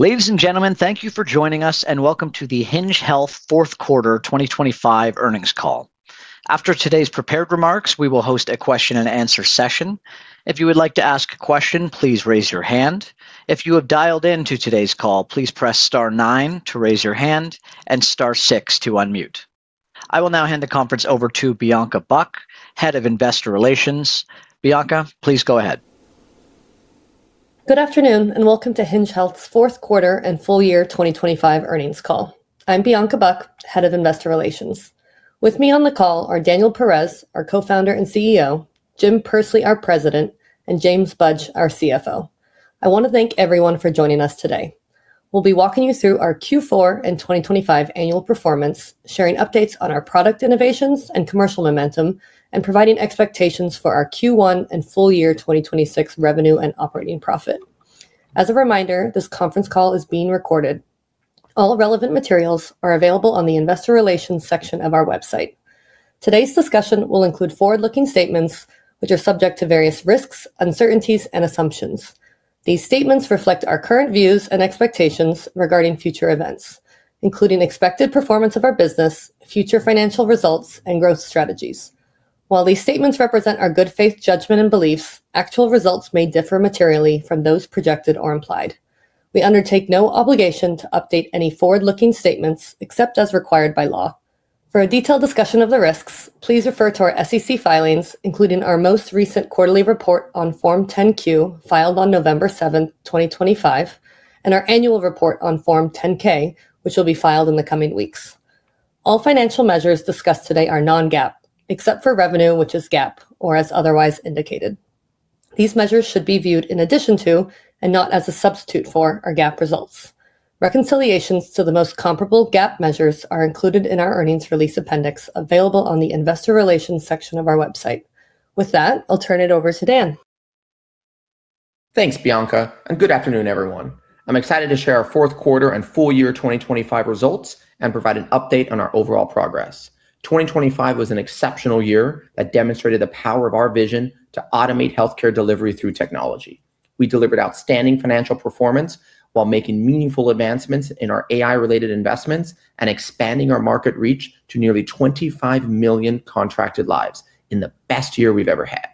Ladies and gentlemen, thank you for joining us and welcome to the Hinge Health fourth quarter 2025 earnings call. After today's prepared remarks, we will host a question-and-answer session. If you would like to ask a question, please raise your hand. If you have dialed into today's call, please press star nine to raise your hand and star six to unmute. I will now hand the conference over to Bianca Buck, Head of Investor Relations. Bianca, please go ahead. Good afternoon and welcome to Hinge Health's fourth quarter and full year 2025 earnings call. I'm Bianca Buck, Head of Investor Relations. With me on the call are Daniel Perez, our Co-founder and CEO; Jim Pursley, our President; and James Budge, our CFO. I want to thank everyone for joining us today. We'll be walking you through our Q4 and 2025 annual performance, sharing updates on our product innovations and commercial momentum, and providing expectations for our Q1 and full year 2026 revenue and operating profit. As a reminder, this conference call is being recorded. All relevant materials are available on the Investor Relations section of our website. Today's discussion will include forward-looking statements, which are subject to various risks, uncertainties, and assumptions. These statements reflect our current views and expectations regarding future events, including expected performance of our business, future financial results, and growth strategies. While these statements represent our good faith judgment and beliefs, actual results may differ materially from those projected or implied. We undertake no obligation to update any forward-looking statements except as required by law. For a detailed discussion of the risks, please refer to our SEC filings, including our most recent quarterly report on Form 10-Q filed on November 7, 2025, and our annual report on Form 10-K, which will be filed in the coming weeks. All financial measures discussed today are non-GAAP, except for revenue, which is GAAP or as otherwise indicated. These measures should be viewed in addition to and not as a substitute for our GAAP results. Reconciliations to the most comparable GAAP measures are included in our earnings release appendix available on the Investor Relations section of our website. With that, I'll turn it over to Dan. Thanks, Bianca, and good afternoon, everyone. I'm excited to share our fourth quarter and full year 2025 results and provide an update on our overall progress. 2025 was an exceptional year that demonstrated the power of our vision to automate healthcare delivery through technology. We delivered outstanding financial performance while making meaningful advancements in our AI-related investments and expanding our market reach to nearly 25 million contracted lives in the best year we've ever had.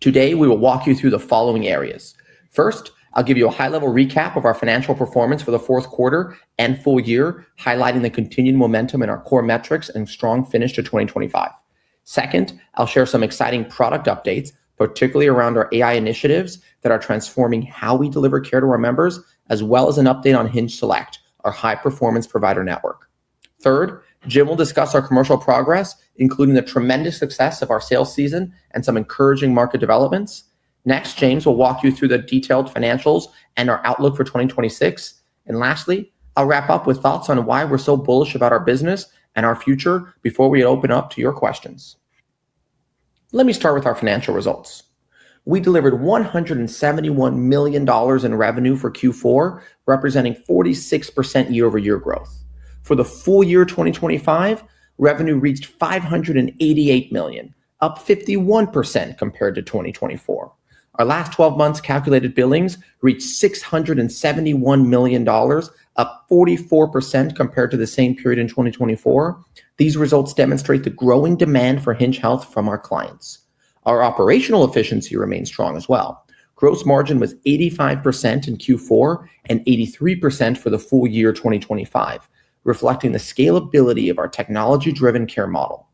Today, we will walk you through the following areas. First, I'll give you a high-level recap of our financial performance for the fourth quarter and full year, highlighting the continued momentum in our core metrics and strong finish to 2025. Second, I'll share some exciting product updates, particularly around our AI initiatives that are transforming how we deliver care to our members, as well as an update on Hinge Select, our high-performance provider network. Third, Jim will discuss our commercial progress, including the tremendous success of our sales season and some encouraging market developments. Next, James will walk you through the detailed financials and our outlook for 2026. And lastly, I'll wrap up with thoughts on why we're so bullish about our business and our future before we open up to your questions. Let me start with our financial results. We delivered $171 million in revenue for Q4, representing 46% year-over-year growth. For the full year 2025, revenue reached $588 million, up 51% compared to 2024. Our last 12 months' calculated billings reached $671 million, up 44% compared to the same period in 2024. These results demonstrate the growing demand for Hinge Health from our clients. Our operational efficiency remains strong as well. Gross margin was 85% in Q4 and 83% for the full year 2025, reflecting the scalability of our technology-driven care model.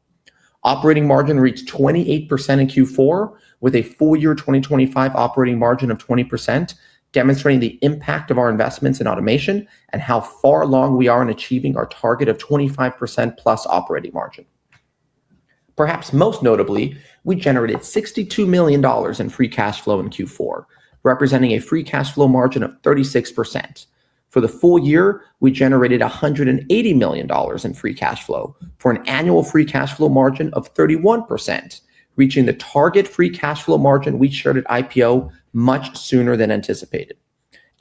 Operating margin reached 28% in Q4, with a full year 2025 operating margin of 20%, demonstrating the impact of our investments in automation and how far along we are in achieving our target of 25%+ operating margin. Perhaps most notably, we generated $62 million in free cash flow in Q4, representing a free cash flow margin of 36%. For the full year, we generated $180 million in free cash flow for an annual free cash flow margin of 31%, reaching the target free cash flow margin we shared at IPO much sooner than anticipated.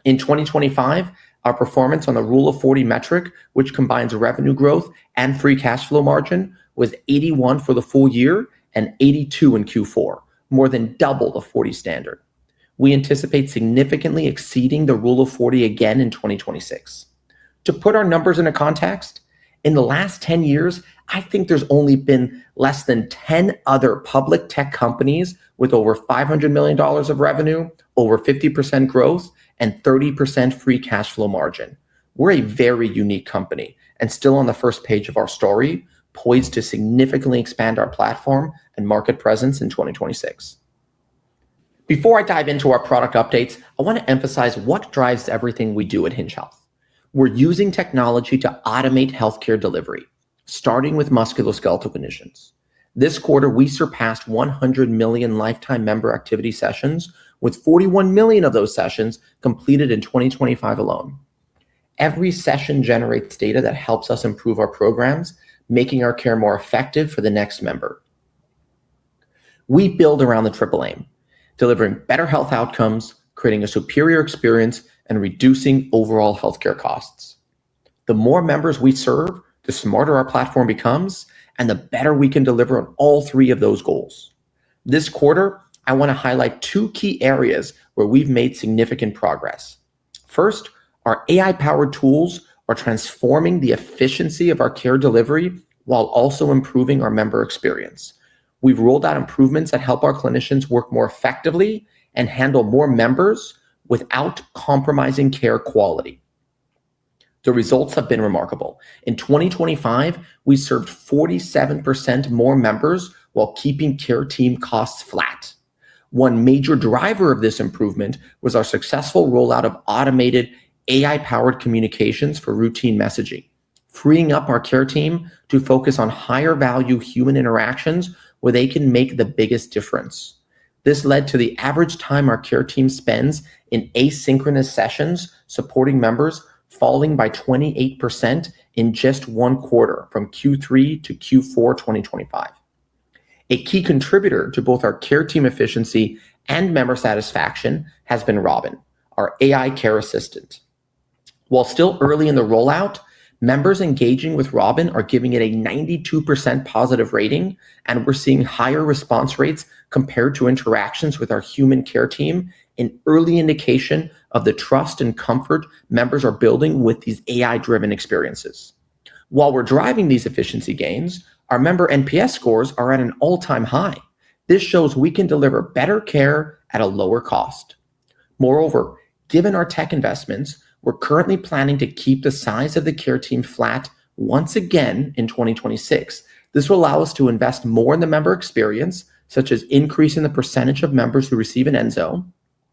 In 2025, our performance on the Rule of 40 metric, which combines revenue growth and free cash flow margin, was 81 for the full year and 82 in Q4, more than double the 40 standard. We anticipate significantly exceeding the Rule of 40 again in 2026. To put our numbers into context, in the last 10 years, I think there's only been less than 10 other public tech companies with over $500 million of revenue, over 50% growth, and 30% free cash flow margin. We're a very unique company and still on the first page of our story, poised to significantly expand our platform and market presence in 2026. Before I dive into our product updates, I want to emphasize what drives everything we do at Hinge Health. We're using technology to automate healthcare delivery, starting with musculoskeletal conditions. This quarter, we surpassed 100 million lifetime member activity sessions, with 41 million of those sessions completed in 2025 alone. Every session generates data that helps us improve our programs, making our care more effective for the next member. We build around the triple aim: delivering better health outcomes, creating a superior experience, and reducing overall healthcare costs. The more members we serve, the smarter our platform becomes, and the better we can deliver on all three of those goals. This quarter, I want to highlight two key areas where we've made significant progress. First, our AI-powered tools are transforming the efficiency of our care delivery while also improving our member experience. We've rolled out improvements that help our clinicians work more effectively and handle more members without compromising care quality. The results have been remarkable. In 2025, we served 47% more members while keeping care team costs flat. One major driver of this improvement was our successful rollout of automated AI-powered communications for routine messaging, freeing up our care team to focus on higher-value human interactions where they can make the biggest difference. This led to the average time our care team spends in asynchronous sessions supporting members falling by 28% in just one quarter from Q3 to Q4 2025. A key contributor to both our care team efficiency and member satisfaction has been Robin, our AI care assistant. While still early in the rollout, members engaging with Robin are giving it a 92% positive rating, and we're seeing higher response rates compared to interactions with our human care team, an early indication of the trust and comfort members are building with these AI-driven experiences. While we're driving these efficiency gains, our member NPS scores are at an all-time high. This shows we can deliver better care at a lower cost. Moreover, given our tech investments, we're currently planning to keep the size of the care team flat once again in 2026. This will allow us to invest more in the member experience, such as increasing the percentage of members who receive an Enso.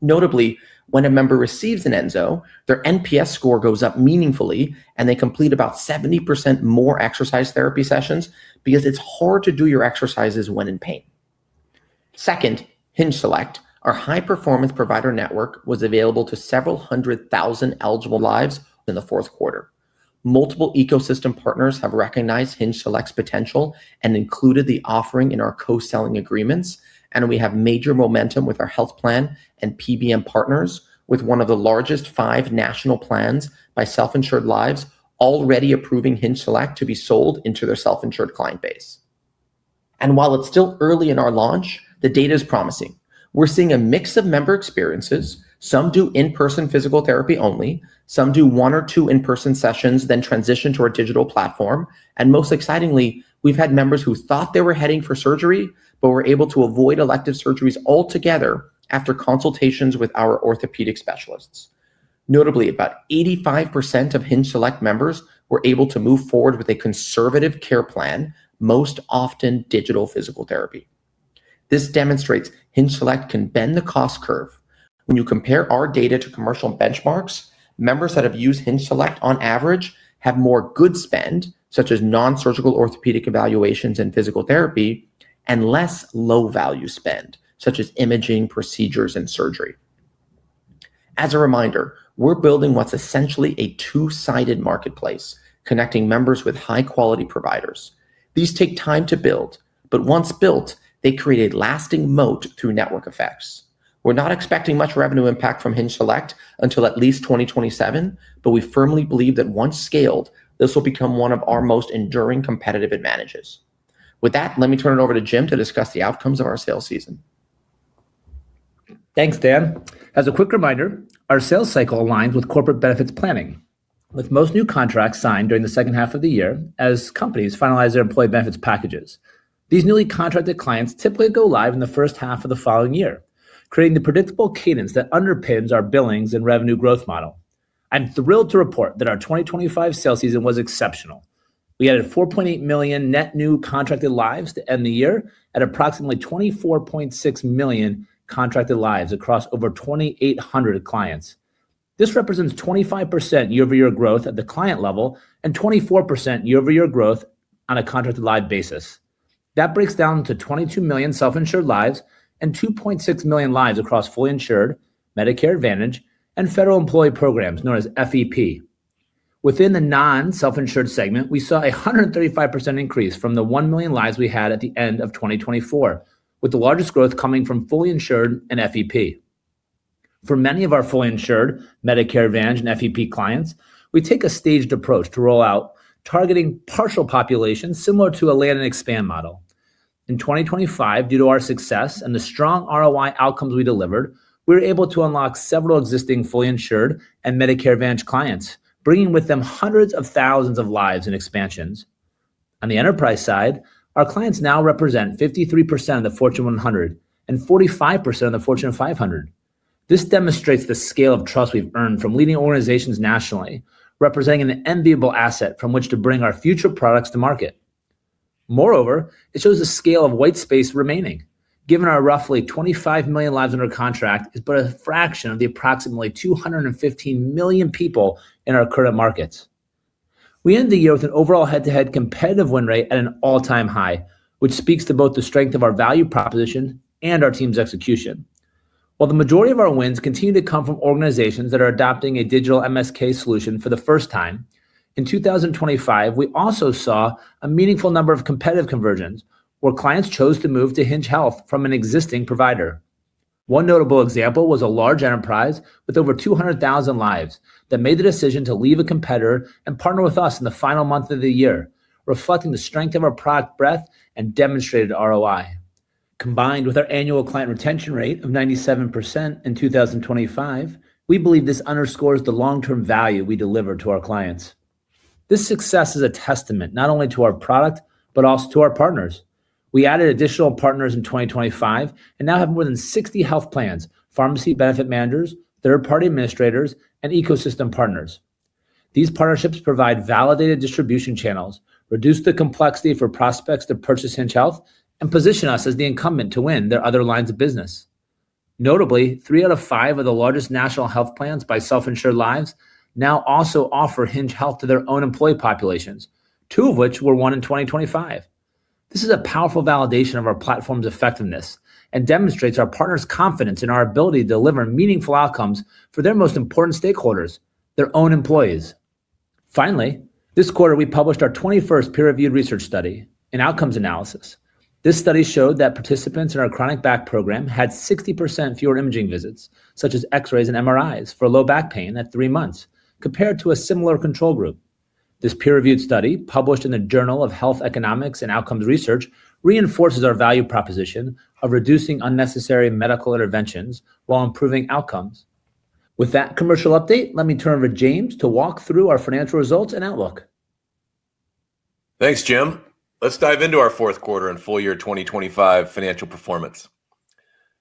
Notably, when a member receives an Enso, their NPS score goes up meaningfully, and they complete about 70% more exercise therapy sessions because it's hard to do your exercises when in pain. Second, Hinge Select, our high-performance provider network, was available to several hundred thousand eligible lives in the fourth quarter. Multiple ecosystem partners have recognized Hinge Select's potential and included the offering in our co-selling agreements. We have major momentum with our health plan and PBM partners, with one of the largest five national plans by Self-Insured Lives already approving Hinge Select to be sold into their Self-Insured client base. While it's still early in our launch, the data is promising. We're seeing a mix of member experiences. Some do in-person physical therapy only. Some do one or two in-person sessions, then transition to our digital platform. Most excitingly, we've had members who thought they were heading for surgery but were able to avoid elective surgeries altogether after consultations with our orthopedic specialists. Notably, about 85% of Hinge Select members were able to move forward with a conservative care plan, most often digital physical therapy. This demonstrates Hinge Select can bend the cost curve. When you compare our data to commercial benchmarks, members that have used Hinge Select, on average, have more good spend, such as nonsurgical orthopedic evaluations and physical therapy, and less low-value spend, such as imaging, procedures, and surgery. As a reminder, we're building what's essentially a two-sided marketplace, connecting members with high-quality providers. These take time to build, but once built, they create a lasting moat through network effects. We're not expecting much revenue impact from Hinge Select until at least 2027, but we firmly believe that once scaled, this will become one of our most enduring competitive advantages. With that, let me turn it over to Jim to discuss the outcomes of our sales season. Thanks, Dan. As a quick reminder, our sales cycle aligns with corporate benefits planning, with most new contracts signed during the second half of the year as companies finalize their employee benefits packages. These newly contracted clients typically go live in the first half of the following year, creating the predictable cadence that underpins our billings and revenue growth model. I'm thrilled to report that our 2025 sales season was exceptional. We added 4.8 million net new contracted lives to end the year at approximately 24.6 million contracted lives across over 2,800 clients. This represents 25% year-over-year growth at the client level and 24% year-over-year growth on a contracted live basis. That breaks down to 22 million Self-Insured Lives and 2.6 million lives across fully insured, Medicare Advantage, and federal employee programs known as FEP. Within the non-Self-Insured segment, we saw a 135% increase from the 1 million lives we had at the end of 2024, with the largest growth coming from fully insured and FEP. For many of our fully insured, Medicare Advantage, and FEP clients, we take a staged approach to rollout, targeting partial populations similar to a land-and-expand model. In 2025, due to our success and the strong ROI outcomes we delivered, we were able to unlock several existing fully insured and Medicare Advantage clients, bringing with them hundreds of thousands of lives and expansions. On the enterprise side, our clients now represent 53% of the Fortune 100 and 45% of the Fortune 500. This demonstrates the scale of trust we've earned from leading organizations nationally, representing an enviable asset from which to bring our future products to market. Moreover, it shows the scale of white space remaining. Given our roughly 25 million lives under contract is but a fraction of the approximately 215 million people in our current markets. We end the year with an overall head-to-head competitive win rate at an all-time high, which speaks to both the strength of our value proposition and our team's execution. While the majority of our wins continue to come from organizations that are adopting a digital MSK solution for the first time, in 2025, we also saw a meaningful number of competitive conversions where clients chose to move to Hinge Health from an existing provider. One notable example was a large enterprise with over 200,000 lives that made the decision to leave a competitor and partner with us in the final month of the year, reflecting the strength of our product breadth and demonstrated ROI. Combined with our annual client retention rate of 97% in 2025, we believe this underscores the long-term value we deliver to our clients. This success is a testament not only to our product but also to our partners. We added additional partners in 2025 and now have more than 60 health plans, pharmacy benefit managers, third-party administrators, and ecosystem partners. These partnerships provide validated distribution channels, reduce the complexity for prospects to purchase Hinge Health, and position us as the incumbent to win their other lines of business. Notably, three out of five of the largest national health plans by Self-Insured Lives now also offer Hinge Health to their own employee populations, two of which were won in 2025. This is a powerful validation of our platform's effectiveness and demonstrates our partners' confidence in our ability to deliver meaningful outcomes for their most important stakeholders, their own employees. Finally, this quarter, we published our 21st peer-reviewed research study, an outcomes analysis. This study showed that participants in our chronic back program had 60% fewer imaging visits, such as X-rays and MRIs, for low back pain at three months, compared to a similar control group. This peer-reviewed study, published in the Journal of Health Economics and Outcomes Research, reinforces our value proposition of reducing unnecessary medical interventions while improving outcomes. With that commercial update, let me turn it over to James to walk through our financial results and outlook. Thanks, Jim. Let's dive into our fourth quarter and full year 2025 financial performance.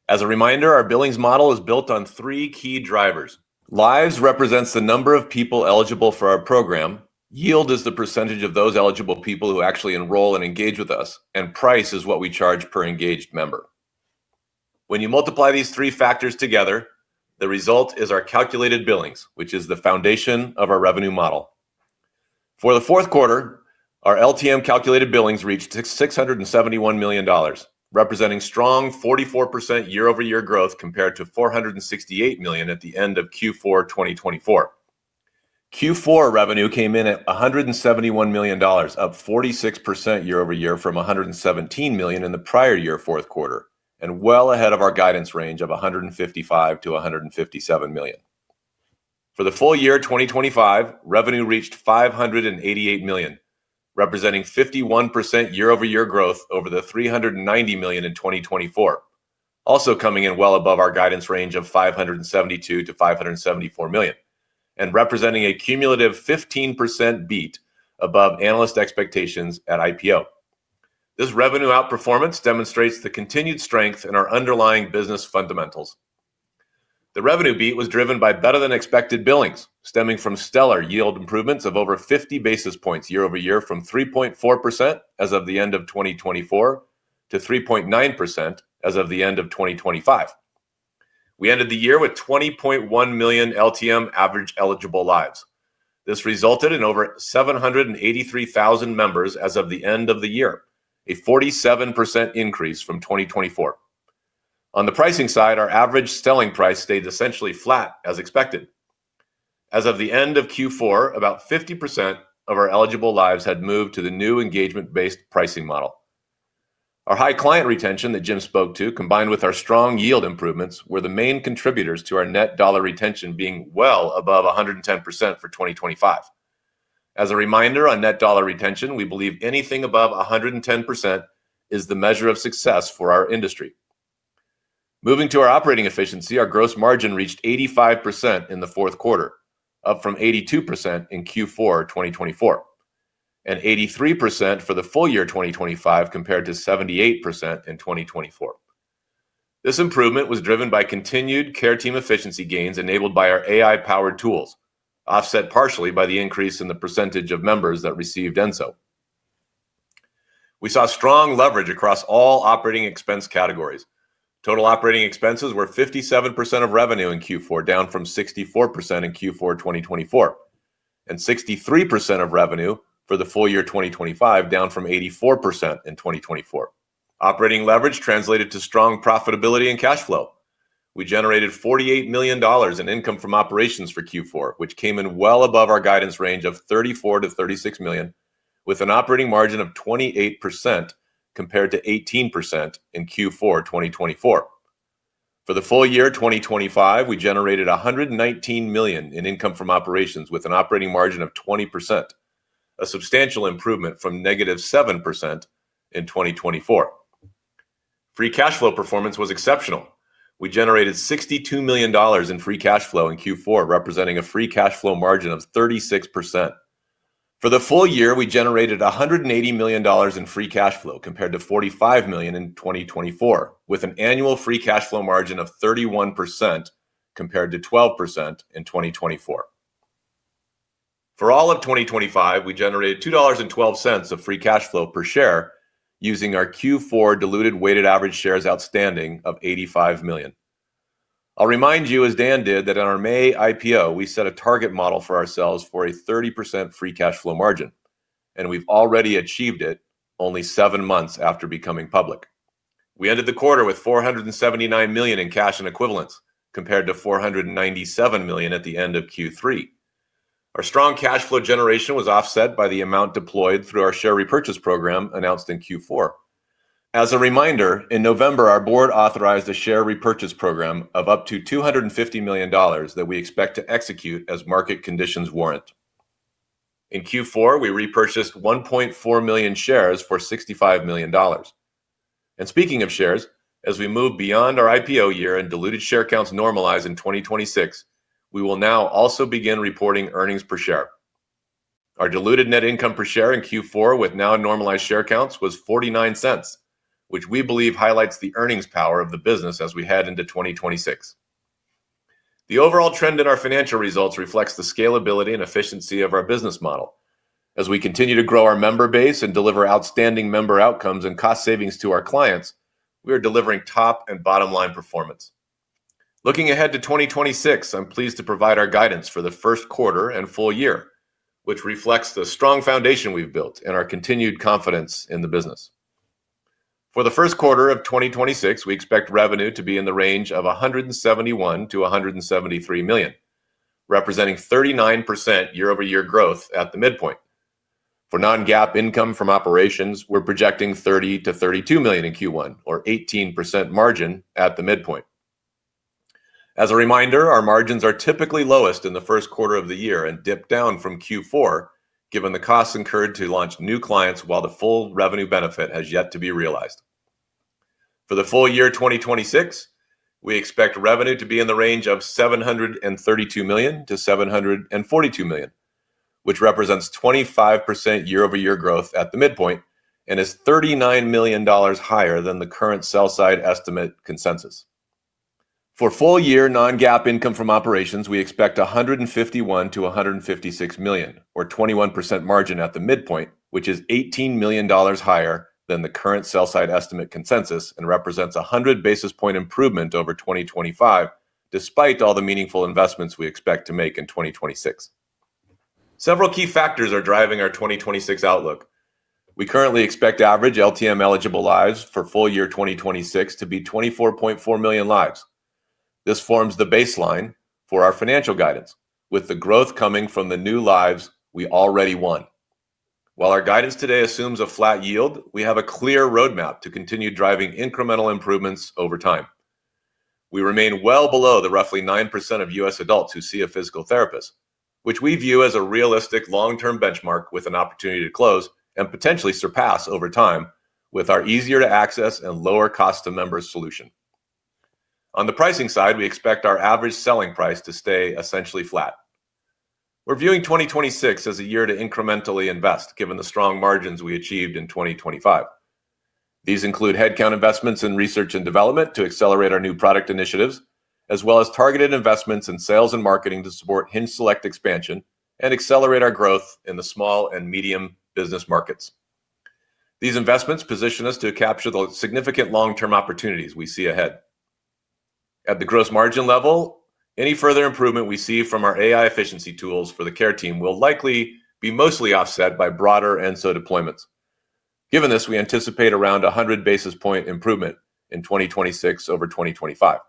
As a reminder, our billings model is built on three key drivers. Lives represents the number of people eligible for our program, yield is the percentage of those eligible people who actually enroll and engage with us, and price is what we charge per engaged member. When you multiply these three factors together, the result is our calculated billings, which is the foundation of our revenue model. For the fourth quarter, our LTM calculated billings reached $671 million, representing strong 44% year-over-year growth compared to $468 million at the end of Q4 2024. Q4 revenue came in at $171 million, up 46% year-over-year from $117 million in the prior year fourth quarter and well ahead of our guidance range of $155 million-$157 million. For the full year 2025, revenue reached $588 million, representing 51% year-over-year growth over the $390 million in 2024, also coming in well above our guidance range of $572 million-$574 million and representing a cumulative 15% beat above analyst expectations at IPO. This revenue outperformance demonstrates the continued strength in our underlying business fundamentals. The revenue beat was driven by better-than-expected billings, stemming from stellar yield improvements of over 50 basis points year-over-year from 3.4% as of the end of 2024 to 3.9% as of the end of 2025. We ended the year with 20.1 million LTM average eligible lives. This resulted in over 783,000 members as of the end of the year, a 47% increase from 2024. On the pricing side, our average selling price stayed essentially flat as expected. As of the end of Q4, about 50% of our eligible lives had moved to the new engagement-based pricing model. Our high client retention that Jim spoke to, combined with our strong yield improvements, were the main contributors to our net dollar retention being well above 110% for 2025. As a reminder on net dollar retention, we believe anything above 110% is the measure of success for our industry. Moving to our operating efficiency, our gross margin reached 85% in the fourth quarter, up from 82% in Q4 2024 and 83% for the full year 2025 compared to 78% in 2024. This improvement was driven by continued care team efficiency gains enabled by our AI-powered tools, offset partially by the increase in the percentage of members that received Enso. We saw strong leverage across all operating expense categories. Total operating expenses were 57% of revenue in Q4, down from 64% in Q4 2024, and 63% of revenue for the full year 2025, down from 84% in 2024. Operating leverage translated to strong profitability and cash flow. We generated $48 million in income from operations for Q4, which came in well above our guidance range of $34 million-$36 million, with an operating margin of 28% compared to 18% in Q4 2024. For the full year 2025, we generated $119 million in income from operations, with an operating margin of 20%, a substantial improvement from -7% in 2024. Free cash flow performance was exceptional. We generated $62 million in free cash flow in Q4, representing a free cash flow margin of 36%. For the full year, we generated $180 million in free cash flow compared to $45 million in 2024, with an annual free cash flow margin of 31% compared to 12% in 2024. For all of 2025, we generated $2.12 of free cash flow per share using our Q4 diluted weighted average shares outstanding of 85 million. I'll remind you, as Dan did, that on our May IPO, we set a target model for ourselves for a 30% free cash flow margin, and we've already achieved it only seven months after becoming public. We ended the quarter with $479 million in cash and equivalents compared to $497 million at the end of Q3. Our strong cash flow generation was offset by the amount deployed through our share repurchase program announced in Q4. As a reminder, in November, our board authorized a share repurchase program of up to $250 million that we expect to execute as market conditions warrant. In Q4, we repurchased 1.4 million shares for $65 million. Speaking of shares, as we move beyond our IPO year and diluted share counts normalize in 2026, we will now also begin reporting earnings per share. Our diluted net income per share in Q4, with now normalized share counts, was $0.49, which we believe highlights the earnings power of the business as we head into 2026. The overall trend in our financial results reflects the scalability and efficiency of our business model. As we continue to grow our member base and deliver outstanding member outcomes and cost savings to our clients, we are delivering top and bottom-line performance. Looking ahead to 2026, I'm pleased to provide our guidance for the first quarter and full year, which reflects the strong foundation we've built and our continued confidence in the business. For the first quarter of 2026, we expect revenue to be in the range of $171 million-$173 million, representing 39% year-over-year growth at the midpoint. For non-GAAP income from operations, we're projecting $30 million-$32 million in Q1, or 18% margin at the midpoint. As a reminder, our margins are typically lowest in the first quarter of the year and dip down from Q4, given the costs incurred to launch new clients while the full revenue benefit has yet to be realized. For the full year 2026, we expect revenue to be in the range of $732 million-$742 million, which represents 25% year-over-year growth at the midpoint and is $39 million higher than the current sell-side estimate consensus. For full-year non-GAAP income from operations, we expect $151 million-$156 million, or 21% margin at the midpoint, which is $18 million higher than the current sell-side estimate consensus and represents 100 basis points improvement over 2025, despite all the meaningful investments we expect to make in 2026. Several key factors are driving our 2026 outlook. We currently expect average LTM eligible lives for full year 2026 to be 24.4 million lives. This forms the baseline for our financial guidance, with the growth coming from the new lives we already won. While our guidance today assumes a flat yield, we have a clear roadmap to continue driving incremental improvements over time. We remain well below the roughly 9% of U.S. adults who see a physical therapist, which we view as a realistic long-term benchmark with an opportunity to close and potentially surpass over time with our easier-to-access and lower-cost-to-members solution. On the pricing side, we expect our average selling price to stay essentially flat. We're viewing 2026 as a year to incrementally invest, given the strong margins we achieved in 2025. These include headcount investments in research and development to accelerate our new product initiatives, as well as targeted investments in sales and marketing to support Hinge Select expansion and accelerate our growth in the small and medium business markets. These investments position us to capture the significant long-term opportunities we see ahead. At the gross margin level, any further improvement we see from our AI efficiency tools for the care team will likely be mostly offset by broader Enso deployments. Given this, we anticipate around 100 basis point improvement in 2026 over 2025.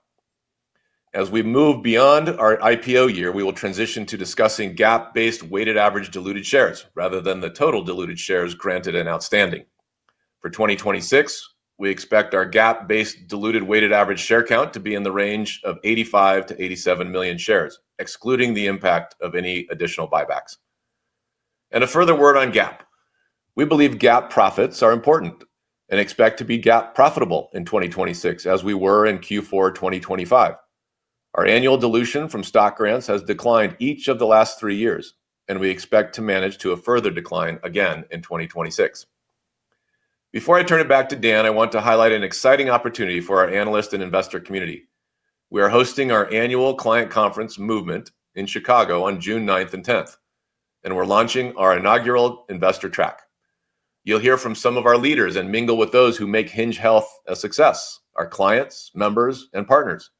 As we move beyond our IPO year, we will transition to discussing GAAP-based weighted average diluted shares rather than the total diluted shares granted and outstanding. For 2026, we expect our GAAP-based diluted weighted average share count to be in the range of 85 million-87 million shares, excluding the impact of any additional buybacks. A further word on GAAP. We believe GAAP profits are important and expect to be GAAP profitable in 2026 as we were in Q4 2025. Our annual dilution from stock grants has declined each of the last three years, and we expect to manage to a further decline again in 2026. Before I turn it back to Dan, I want to highlight an exciting opportunity for our analyst and investor community. We are hosting our annual client conference Movement in Chicago on June 9th and 10th, and we're launching our inaugural investor track. You'll hear from some of our leaders and mingle with those who make Hinge Health a success, our clients, members, and partners.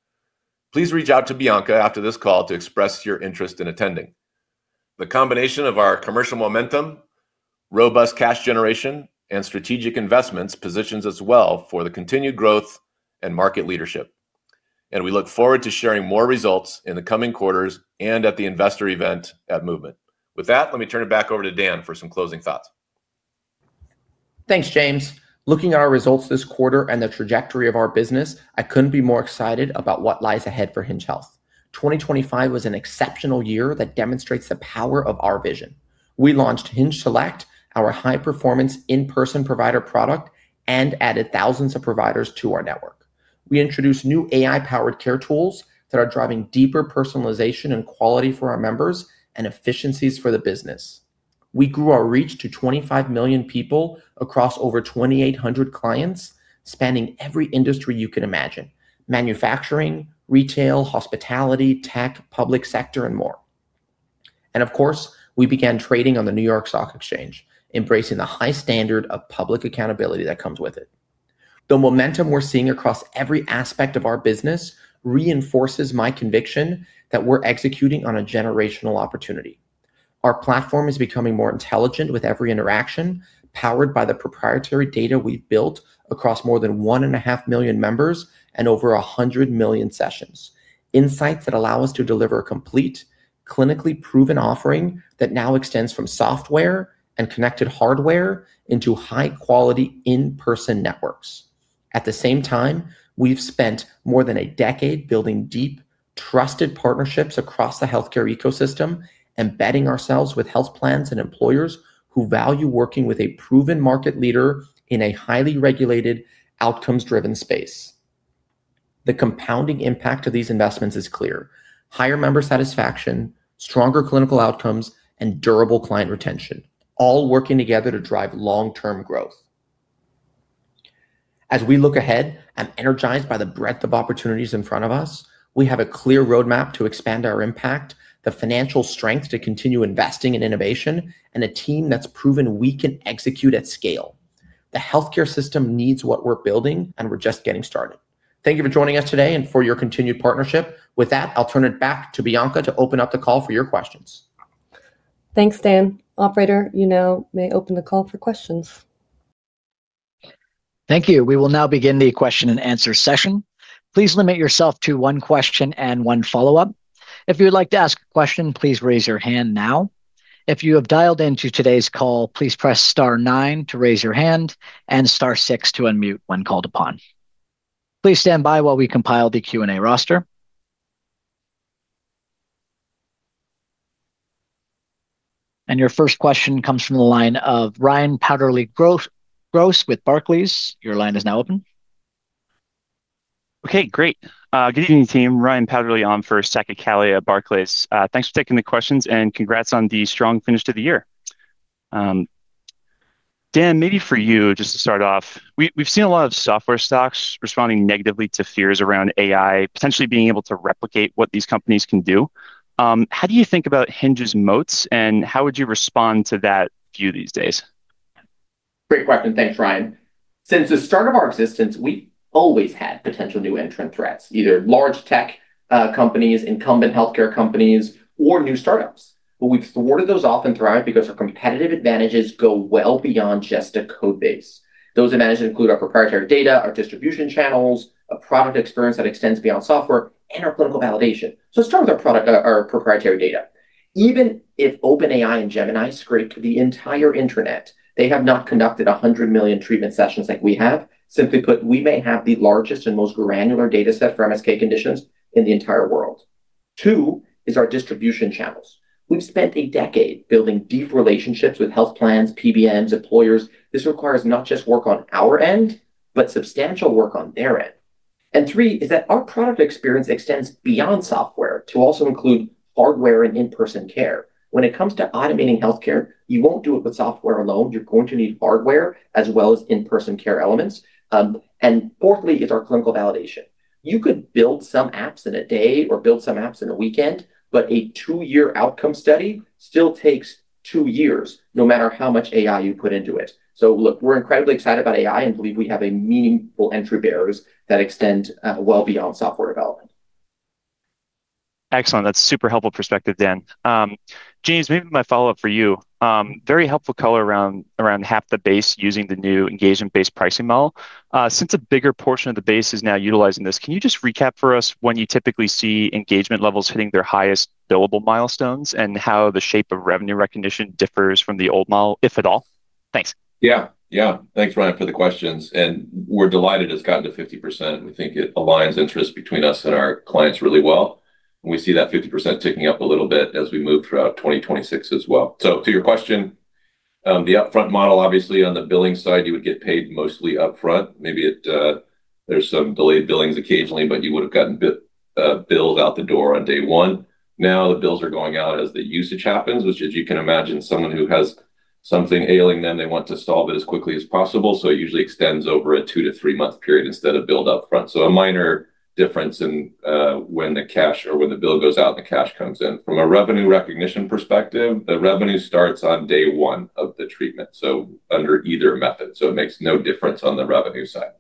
Please reach out to Bianca after this call to express your interest in attending. The combination of our commercial momentum, robust cash generation, and strategic investments positions us well for the continued growth and market leadership. And we look forward to sharing more results in the coming quarters and at the investor event at Movement. With that, let me turn it back over to Dan for some closing thoughts. Thanks, James. Looking at our results this quarter and the trajectory of our business, I couldn't be more excited about what lies ahead for Hinge Health. 2025 was an exceptional year that demonstrates the power of our vision. We launched Hinge Select, our high-performance in-person provider product, and added thousands of providers to our network. We introduced new AI-powered care tools that are driving deeper personalization and quality for our members and efficiencies for the business. We grew our reach to 25 million people across over 2,800 clients, spanning every industry you can imagine: manufacturing, retail, hospitality, tech, public sector, and more. And of course, we began trading on the New York Stock Exchange, embracing the high standard of public accountability that comes with it. The momentum we're seeing across every aspect of our business reinforces my conviction that we're executing on a generational opportunity. Our platform is becoming more intelligent with every interaction, powered by the proprietary data we've built across more than 1.5 million members and over 100 million sessions, insights that allow us to deliver a complete, clinically proven offering that now extends from software and connected hardware into high-quality in-person networks. At the same time, we've spent more than a decade building deep, trusted partnerships across the healthcare ecosystem, embedding ourselves with health plans and employers who value working with a proven market leader in a highly regulated, outcomes-driven space. The compounding impact of these investments is clear: higher member satisfaction, stronger clinical outcomes, and durable client retention, all working together to drive long-term growth. As we look ahead, I'm energized by the breadth of opportunities in front of us. We have a clear roadmap to expand our impact, the financial strength to continue investing in innovation, and a team that's proven we can execute at scale. The healthcare system needs what we're building, and we're just getting started. Thank you for joining us today and for your continued partnership. With that, I'll turn it back to Bianca to open up the call for your questions. Thanks, Dan. Operator, you now may open the call for questions. Thank you. We will now begin the question-and-answer session. Please limit yourself to one question and one follow-up. If you would like to ask a question, please raise your hand now. If you have dialed into today's call, please press star nine to raise your hand and star six to unmute when called upon. Please stand by while we compile the Q&A roster. Your first question comes from the line of Ryan Powderly-Gross with Barclays. Your line is now open. Okay, great. Good evening, team. Ryan Powderly-Gross on for Saket Kalia, Barclays. Thanks for taking the questions, and congrats on the strong finish to the year. Dan, maybe for you, just to start off, we've seen a lot of software stocks responding negatively to fears around AI potentially being able to replicate what these companies can do. How do you think about Hinge's moats, and how would you respond to that view these days? Great question. Thanks, Ryan. Since the start of our existence, we've always had potential new entrant threats - either large tech companies, incumbent healthcare companies, or new startups - but we've thwarted those off and throughout because our competitive advantages go well beyond just a code base. Those advantages include our proprietary data, our distribution channels, a product experience that extends beyond software, and our clinical validation. So let's start with our proprietary data. Even if OpenAI and Gemini scraped the entire internet, they have not conducted 100 million treatment sessions like we have. Simply put, we may have the largest and most granular dataset for MSK conditions in the entire world. Two is our distribution channels. We've spent a decade building deep relationships with health plans, PBMs, employers. This requires not just work on our end, but substantial work on their end. Three is that our product experience extends beyond software to also include hardware and in-person care. When it comes to automating healthcare, you won't do it with software alone. You're going to need hardware as well as in-person care elements. Fourthly is our clinical validation. You could build some apps in a day or build some apps in a weekend, but a two year outcome study still takes two years no matter how much AI you put into it. So look, we're incredibly excited about AI and believe we have meaningful entry barriers that extend well beyond software development. Excellent. That's super helpful perspective, Dan. James, maybe my follow-up for you. Very helpful color around half the base using the new engagement-based pricing model. Since a bigger portion of the base is now utilizing this, can you just recap for us when you typically see engagement levels hitting their highest billable milestones and how the shape of revenue recognition differs from the old model, if at all? Thanks. Yeah. Yeah. Thanks, Ryan, for the questions. And we're delighted it's gotten to 50%. We think it aligns interests between us and our clients really well. And we see that 50% ticking up a little bit as we move throughout 2026 as well. So to your question, the upfront model, obviously, on the billing side, you would get paid mostly upfront. Maybe there's some delayed billings occasionally, but you would have gotten bills out the door on day one. Now, the bills are going out as the usage happens, which, as you can imagine, someone who has something ailing them, they want to solve it as quickly as possible. So it usually extends over a two to three month period instead of billed upfront. So a minor difference in when the cash or when the bill goes out and the cash comes in. From a revenue recognition perspective, the revenue starts on day one of the treatment, so under either method. It makes no difference on the revenue side.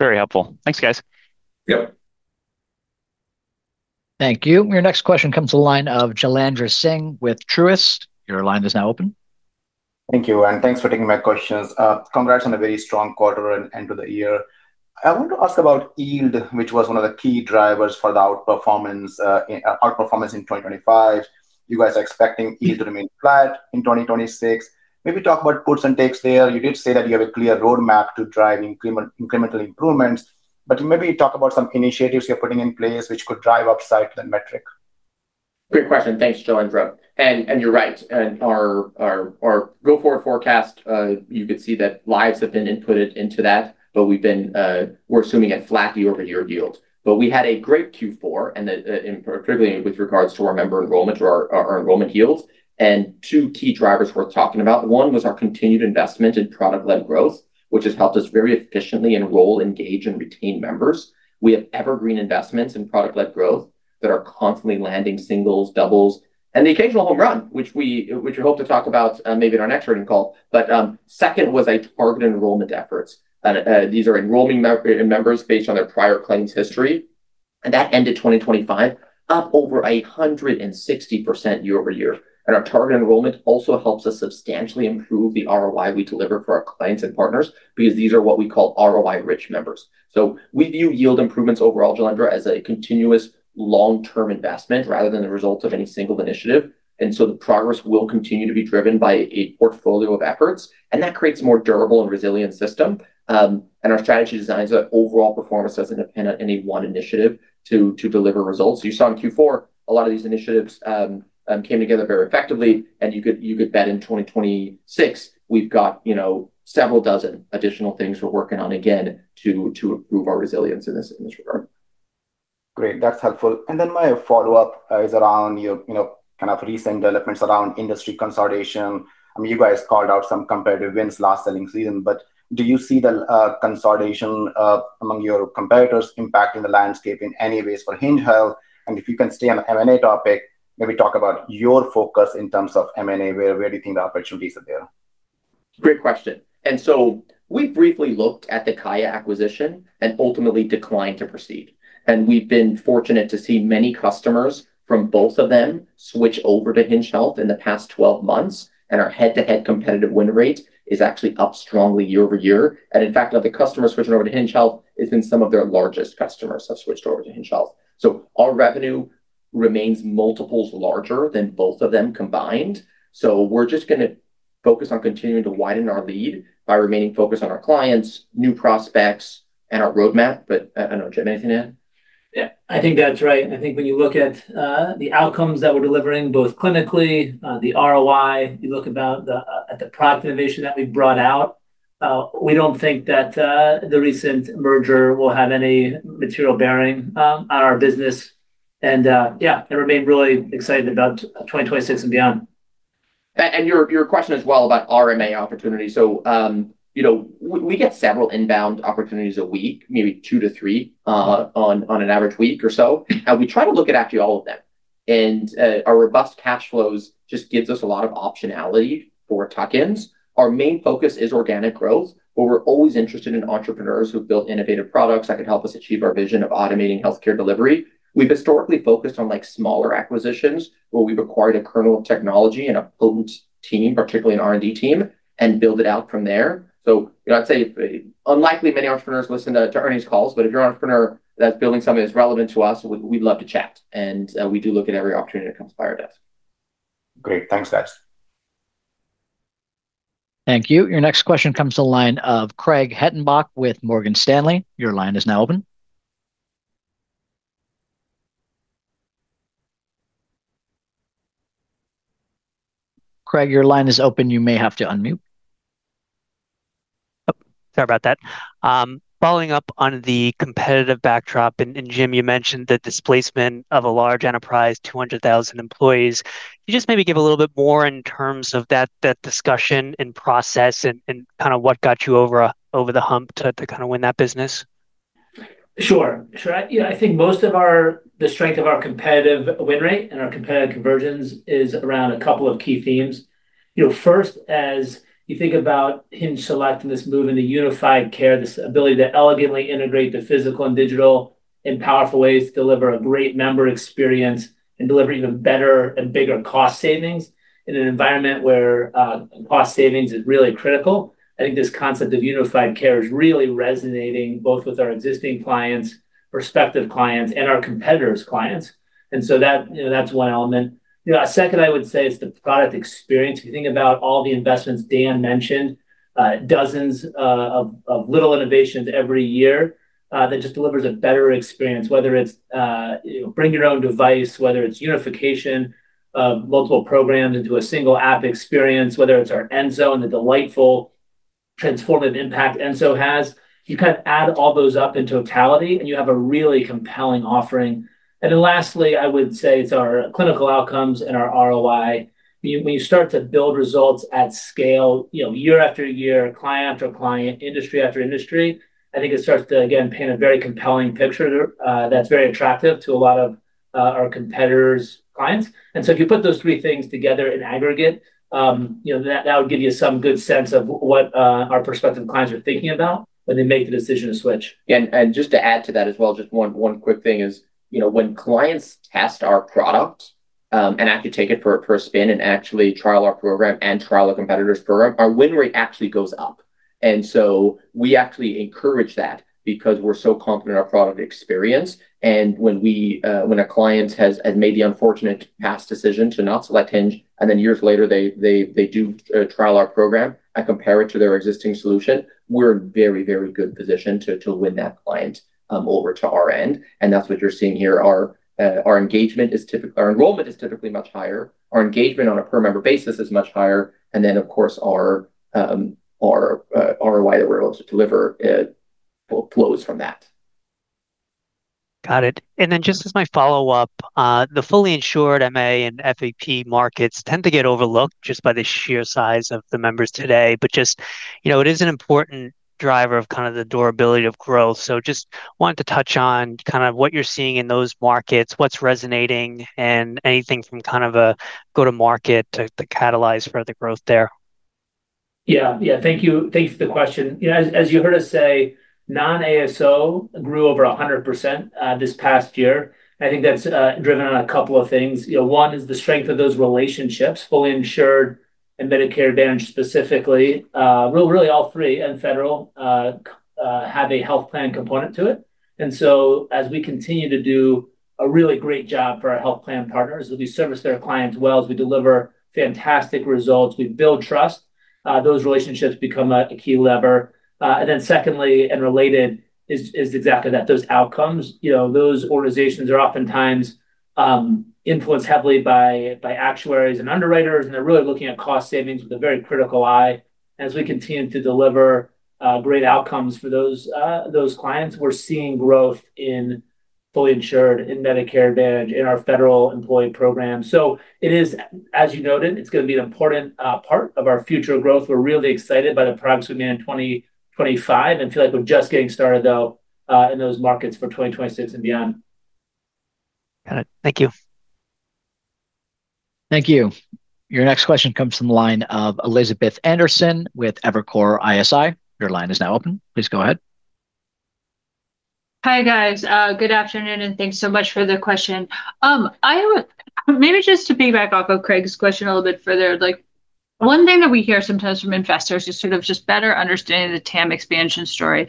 Very helpful. Thanks, guys. Yep. Thank you. Your next question comes to the line of Jailendra Singh with Truist. Your line is now open. Thank you, Ryan. Thanks for taking my questions. Congrats on a very strong quarter and end of the year. I want to ask about yield, which was one of the key drivers for the outperformance in 2025. You guys are expecting yield to remain flat in 2026. Maybe talk about puts and takes there. You did say that you have a clear roadmap to driving incremental improvements, but maybe talk about some initiatives you're putting in place which could drive upside to the metric. Great question. Thanks, Jailendra. You're right. Our go-forward forecast, you could see that lives have been inputted into that, but we're assuming a flat over-the-year yield. We had a great Q4, particularly with regards to our member enrollment or our enrollment yields. Two key drivers worth talking about. One was our continued investment in product-led growth, which has helped us very efficiently enroll, engage, and retain members. We have evergreen investments in product-led growth that are constantly landing singles, doubles, and the occasional home run, which we hope to talk about maybe in our next recording call. Second was our target enrollment efforts. These are enrolling members based on their prior claims history. That ended 2025 up over 160% year-over-year. Our target enrollment also helps us substantially improve the ROI we deliver for our clients and partners because these are what we call ROI-rich members. We view yield improvements overall, Jailendra, as a continuous long-term investment rather than the results of any single initiative. The progress will continue to be driven by a portfolio of efforts. That creates a more durable and resilient system. Our strategy designs that overall performance doesn't depend on any one initiative to deliver results. You saw in Q4, a lot of these initiatives came together very effectively. You could bet in 2026, we've got several dozen additional things we're working on again to improve our resilience in this regard. Great. That's helpful. And then my follow-up is around kind of recent developments around industry consolidation. I mean, you guys called out some competitive wins last selling season, but do you see the consolidation among your competitors impacting the landscape in any ways for Hinge Health? And if you can stay on the M&A topic, maybe talk about your focus in terms of M&A, where do you think the opportunities are there? Great question. So we briefly looked at the Kaia acquisition and ultimately declined to proceed. We've been fortunate to see many customers from both of them switch over to Hinge Health in the past 12 months. Our head-to-head competitive win rate is actually up strongly year-over-year. In fact, of the customers switching over to Hinge Health, it's been some of their largest customers have switched over to Hinge Health. So our revenue remains multiples larger than both of them combined. We're just going to focus on continuing to widen our lead by remaining focused on our clients, new prospects, and our roadmap. But I don't know, Jim, anything to add? Yeah. I think that's right. And I think when you look at the outcomes that we're delivering, both clinically, the ROI, you look at the product innovation that we brought out, we don't think that the recent merger will have any material bearing on our business. And yeah, I remain really excited about 2026 and beyond. Your question is, well, about M&A opportunities. So we get several inbound opportunities a week, maybe two to three on an average week or so. We try to look at actually all of them. Our robust cash flows just give us a lot of optionality for tuck-ins. Our main focus is organic growth, where we're always interested in entrepreneurs who've built innovative products that could help us achieve our vision of automating healthcare delivery. We've historically focused on smaller acquisitions where we've acquired a kernel of technology and a potent team, particularly an R&D team, and built it out from there. So I'd say unlikely many entrepreneurs listen to earnings calls, but if you're an entrepreneur that's building something that's relevant to us, we'd love to chat. We do look at every opportunity that comes by our desk. Great. Thanks, guys. Thank you. Your next question comes to the line of Craig Hettenbach with Morgan Stanley. Your line is now open. Craig, your line is open. You may have to unmute. Oh, sorry about that. Following up on the competitive backdrop, and Jim, you mentioned the displacement of a large enterprise, 200,000 employees. Can you just maybe give a little bit more in terms of that discussion and process and kind of what got you over the hump to kind of win that business? Sure. Sure. I think the strength of our competitive win rate and our competitive conversions is around a couple of key themes. First, as you think about Hinge Select and this move into unified care, this ability to elegantly integrate the physical and digital in powerful ways to deliver a great member experience and deliver even better and bigger cost savings in an environment where cost savings is really critical, I think this concept of unified care is really resonating both with our existing clients, prospective clients, and our competitors' clients. And so that's one element. Second, I would say it's the product experience. If you think about all the investments Dan mentioned, dozens of little innovations every year that just delivers a better experience, whether it's bring your own device, whether it's unification of multiple programs into a single app experience, whether it's our Enso and the delightful transformative impact Enso has, you kind of add all those up in totality, and you have a really compelling offering. And then lastly, I would say it's our clinical outcomes and our ROI. When you start to build results at scale, year after year, client after client, industry after industry, I think it starts to, again, paint a very compelling picture that's very attractive to a lot of our competitors' clients. And so if you put those three things together in aggregate, that would give you some good sense of what our prospective clients are thinking about when they make the decision to switch. And just to add to that as well, just one quick thing is when clients test our product and actually take it for a spin and actually trial our program and trial our competitor's program, our win rate actually goes up. And so we actually encourage that because we're so confident in our product experience. And when a client has made the unfortunate past decision to not select Hinge, and then years later, they do trial our program, I compare it to their existing solution, we're in a very, very good position to win that client over to our end. And that's what you're seeing here. Our engagement is typically our enrollment is typically much higher. Our engagement on a per-member basis is much higher. And then, of course, our ROI that we're able to deliver flows from that. Got it. And then just as my follow-up, the fully insured MA and FEP markets tend to get overlooked just by the sheer size of the members today. But just it is an important driver of kind of the durability of growth. So just wanted to touch on kind of what you're seeing in those markets, what's resonating, and anything from kind of a go-to-market to catalyze further growth there. Yeah. Yeah. Thanks for the question. As you heard us say, non-ASO grew over 100% this past year. And I think that's driven on a couple of things. One is the strength of those relationships, fully insured and Medicare Advantage specifically. Really, all three and federal have a health plan component to it. And so as we continue to do a really great job for our health plan partners, as we service their clients well, as we deliver fantastic results, we build trust, those relationships become a key lever. And then secondly and related is exactly that, those outcomes. Those organizations are oftentimes influenced heavily by actuaries and underwriters, and they're really looking at cost savings with a very critical eye. And as we continue to deliver great outcomes for those clients, we're seeing growth in fully insured, in Medicare Advantage, in our federal employee program. It is, as you noted, it's going to be an important part of our future growth. We're really excited by the products we made in 2025 and feel like we're just getting started, though, in those markets for 2026 and beyond. Got it. Thank you. Thank you. Your next question comes from the line of Elizabeth Anderson with Evercore ISI. Your line is now open. Please go ahead. Hi, guys. Good afternoon, and thanks so much for the question. Maybe just to piggyback off of Craig's question a little bit further, one thing that we hear sometimes from investors is sort of just better understanding the TAM expansion story.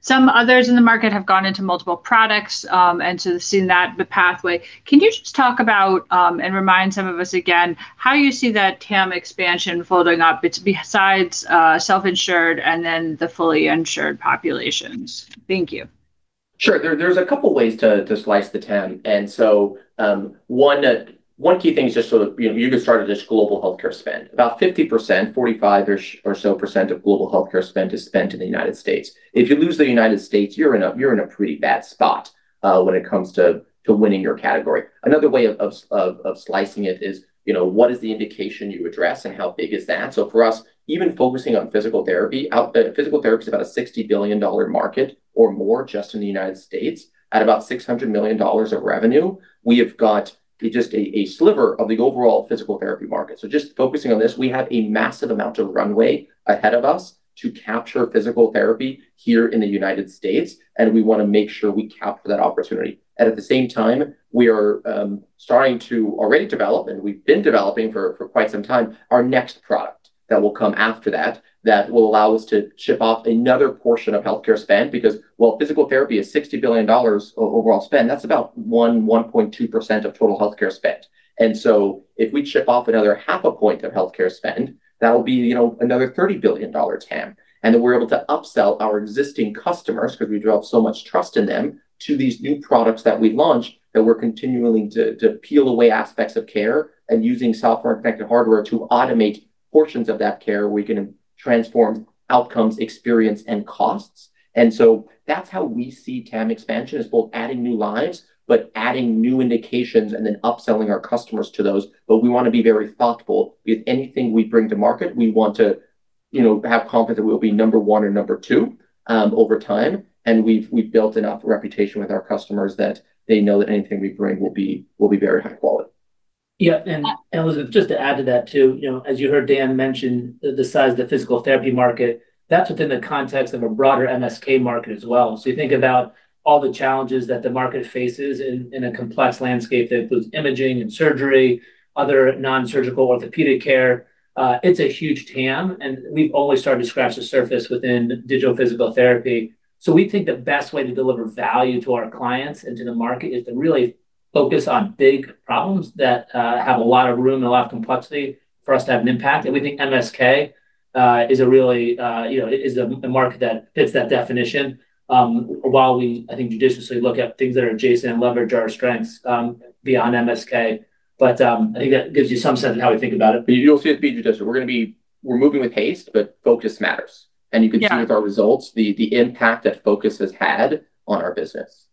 Some others in the market have gone into multiple products and so seen that pathway. Can you just talk about and remind some of us again how you see that TAM expansion folding up besides self-insured and then the fully insured populations? Thank you. Sure. There's a couple of ways to slice the TAM. And so one key thing is just so that you could start at this global healthcare spend. About 50%-45% or so of global healthcare spend is spent in the United States. If you lose the United States, you're in a pretty bad spot when it comes to winning your category. Another way of slicing it is what is the indication you address and how big is that? So for us, even focusing on physical therapy out there, physical therapy is about a $60 billion market or more just in the United States. At about $600 million of revenue, we have got just a sliver of the overall physical therapy market. So just focusing on this, we have a massive amount of runway ahead of us to capture physical therapy here in the United States. We want to make sure we capture that opportunity. At the same time, we are starting to already develop, and we've been developing for quite some time, our next product that will come after that that will allow us to chip off another portion of healthcare spend because, while physical therapy is $60 billion overall spend, that's about 1.2% of total healthcare spend. So if we chip off another 0.5% of healthcare spend, that'll be another $30 billion TAM. Then we're able to upsell our existing customers because we develop so much trust in them to these new products that we launch that we're continually to peel away aspects of care and using software-connected hardware to automate portions of that care where we can transform outcomes, experience, and costs. So that's how we see TAM expansion as both adding new lives but adding new indications and then upselling our customers to those. But we want to be very thoughtful with anything we bring to market. We want to have confidence that we'll be number one or number two over time. We've built enough reputation with our customers that they know that anything we bring will be very high quality. Yeah. And Elizabeth, just to add to that too, as you heard Dan mention the size of the physical therapy market, that's within the context of a broader MSK market as well. So you think about all the challenges that the market faces in a complex landscape that includes imaging and surgery, other nonsurgical orthopedic care, it's a huge TAM. And we've always started to scratch the surface within digital physical therapy. So we think the best way to deliver value to our clients and to the market is to really focus on big problems that have a lot of room and a lot of complexity for us to have an impact. And we think MSK is really a market that fits that definition while we, I think, judiciously look at things that are adjacent and leverage our strengths beyond MSK. But I think that gives you some sense of how we think about it. You'll see it be judicious. We're going to be moving with haste, but focus matters. You can see with our results, the impact that focus has had on our business.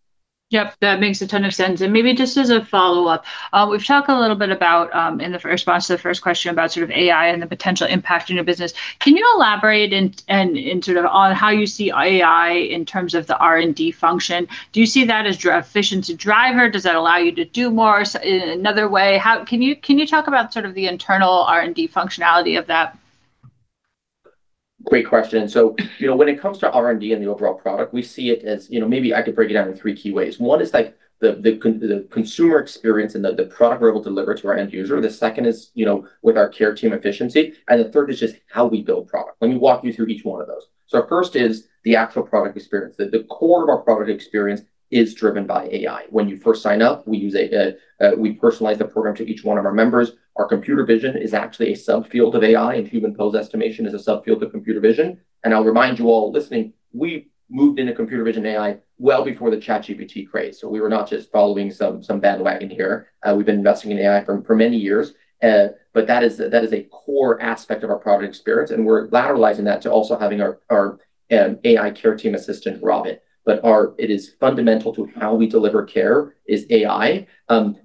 Yep. That makes a ton of sense. Maybe just as a follow-up, we've talked a little bit about in response to the first question about sort of AI and the potential impact in your business. Can you elaborate in sort of on how you see AI in terms of the R&D function? Do you see that as an efficient driver? Does that allow you to do more in another way? Can you talk about sort of the internal R&D functionality of that? Great question. So when it comes to R&D and the overall product, we see it as maybe I could break it down in three key ways. One is the consumer experience and the product we're able to deliver to our end user. The second is with our care team efficiency. And the third is just how we build product. Let me walk you through each one of those. So first is the actual product experience. The core of our product experience is driven by AI. When you first sign up, we use we personalize the program to each one of our members. Our Computer Vision is actually a subfield of AI, and Human Pose Estimation is a subfield of Computer Vision. And I'll remind you all listening, we moved into Computer Vision AI well before the ChatGPT craze. So we were not just following some bandwagon here. We've been investing in AI for many years. That is a core aspect of our product experience. We're lateralizing that to also having our AI care team assistant, Robin. It is fundamental to how we deliver care is AI.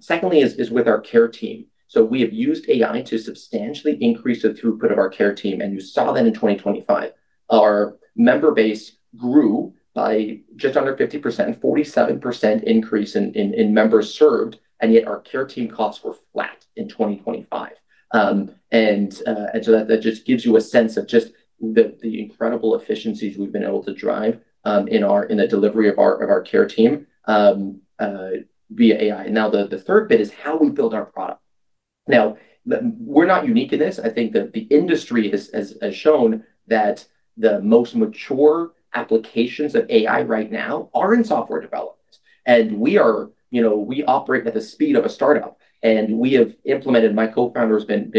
Second is with our care team. We have used AI to substantially increase the throughput of our care team. You saw that in 2025. Our member base grew by just under 50%, 47% increase in members served, and yet our care team costs were flat in 2025. That just gives you a sense of just the incredible efficiencies we've been able to drive in the delivery of our care team via AI. Now the third bit is how we build our product. Now, we're not unique in this. I think that the industry has shown that the most mature applications of AI right now are in software development. We operate at the speed of a startup. We have implemented. My co-founder has been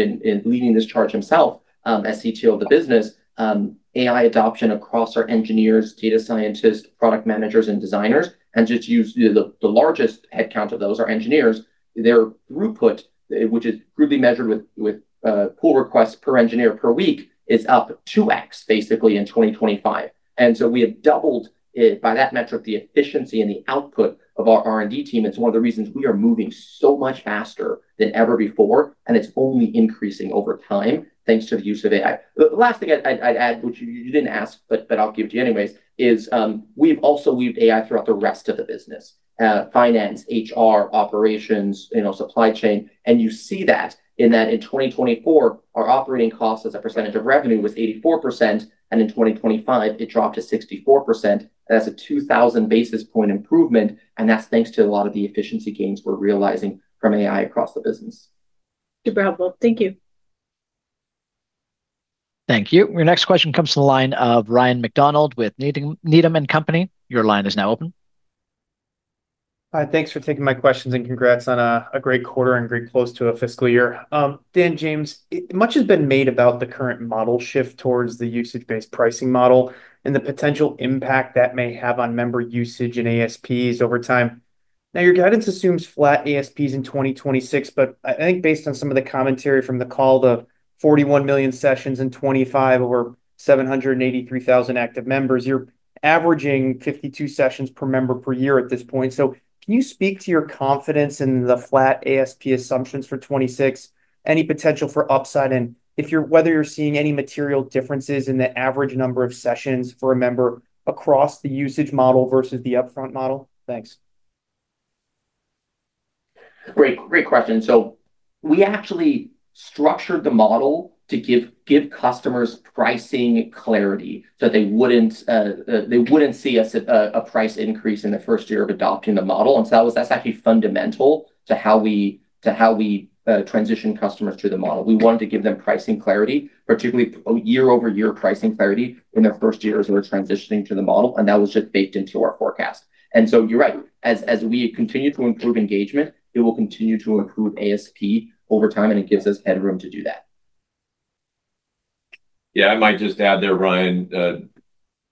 leading this charge himself as CTO of the business, AI adoption across our engineers, data scientists, product managers, and designers. Just use the largest headcount of those, our engineers, their throughput, which is crudely measured with pull requests per engineer per week, is up 2x, basically, in 2025. So we have doubled by that metric, the efficiency and the output of our R&D team. It's one of the reasons we are moving so much faster than ever before. It's only increasing over time thanks to the use of AI. The last thing I'd add, which you didn't ask, but I'll give it to you anyways, is we've also weaved AI throughout the rest of the business: finance, HR, operations, supply chain. And you see that in 2024, our operating costs as a percentage of revenue was 84%, and in 2025, it dropped to 64%. That's a 2,000 basis point improvement. And that's thanks to a lot of the efficiency gains we're realizing from AI across the business. Good job, well. Thank you. Thank you. Your next question comes from the line of Ryan MacDonald with Needham & Company. Your line is now open. Hi. Thanks for taking my questions and congrats on a great quarter and great close to a fiscal year. Dan, James, much has been made about the current model shift towards the usage-based pricing model and the potential impact that may have on member usage and ASPs over time. Now, your guidance assumes flat ASPs in 2026, but I think based on some of the commentary from the call, the 41 million sessions in 2025 over 783,000 active members, you're averaging 52 sessions per member per year at this point. So can you speak to your confidence in the flat ASP assumptions for 2026, any potential for upside, and whether you're seeing any material differences in the average number of sessions for a member across the usage model versus the upfront model? Thanks. Great. Great question. So we actually structured the model to give customers pricing clarity so that they wouldn't see a price increase in the first year of adopting the model. And so that's actually fundamental to how we transition customers to the model. We wanted to give them pricing clarity, particularly year-over-year pricing clarity in their first years when they're transitioning to the model. And that was just baked into our forecast. And so you're right. As we continue to improve engagement, it will continue to improve ASP over time, and it gives us headroom to do that. Yeah. I might just add there, Ryan,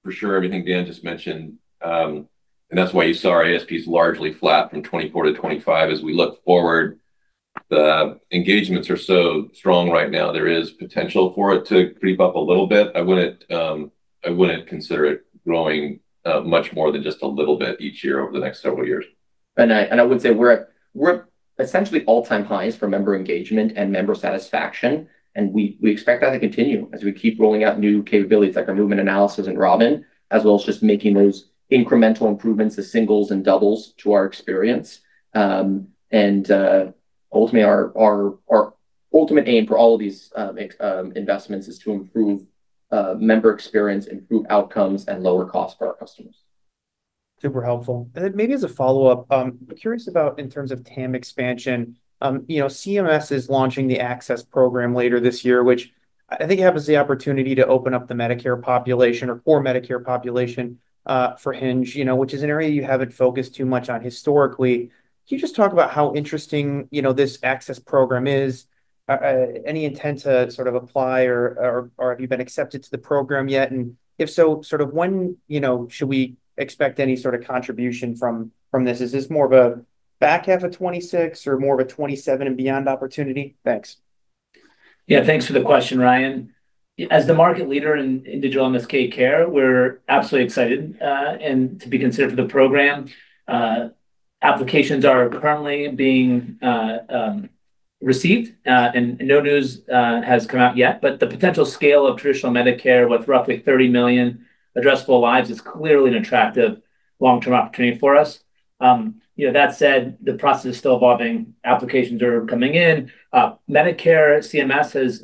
for sure, everything Dan just mentioned. That's why you saw our ASPs largely flat from 2024 to 2025. As we look forward, the engagements are so strong right now, there is potential for it to creep up a little bit. I wouldn't consider it growing much more than just a little bit each year over the next several years. I would say we're at essentially all-time highs for member engagement and member satisfaction. We expect that to continue as we keep rolling out new capabilities like our movement analysis and Robin, as well as just making those incremental improvements to singles and doubles to our experience. Ultimately, our ultimate aim for all of these investments is to improve member experience, improve outcomes, and lower costs for our customers. Super helpful. And then maybe as a follow-up, I'm curious about in terms of TAM expansion, CMS is launching the access program later this year, which I think happens to be the opportunity to open up the Medicare population or core Medicare population for Hinge, which is an area you haven't focused too much on historically. Can you just talk about how interesting this access program is? Any intent to sort of apply, or have you been accepted to the program yet? And if so, sort of when should we expect any sort of contribution from this? Is this more of a back half of 2026 or more of a 2027 and beyond opportunity? Thanks. Yeah. Thanks for the question, Ryan. As the market leader in digital MSK care, we're absolutely excited to be considered for the program. Applications are currently being received, and no news has come out yet. But the potential scale of traditional Medicare with roughly 30 million addressable lives is clearly an attractive long-term opportunity for us. That said, the process is still evolving. Applications are coming in. Medicare CMS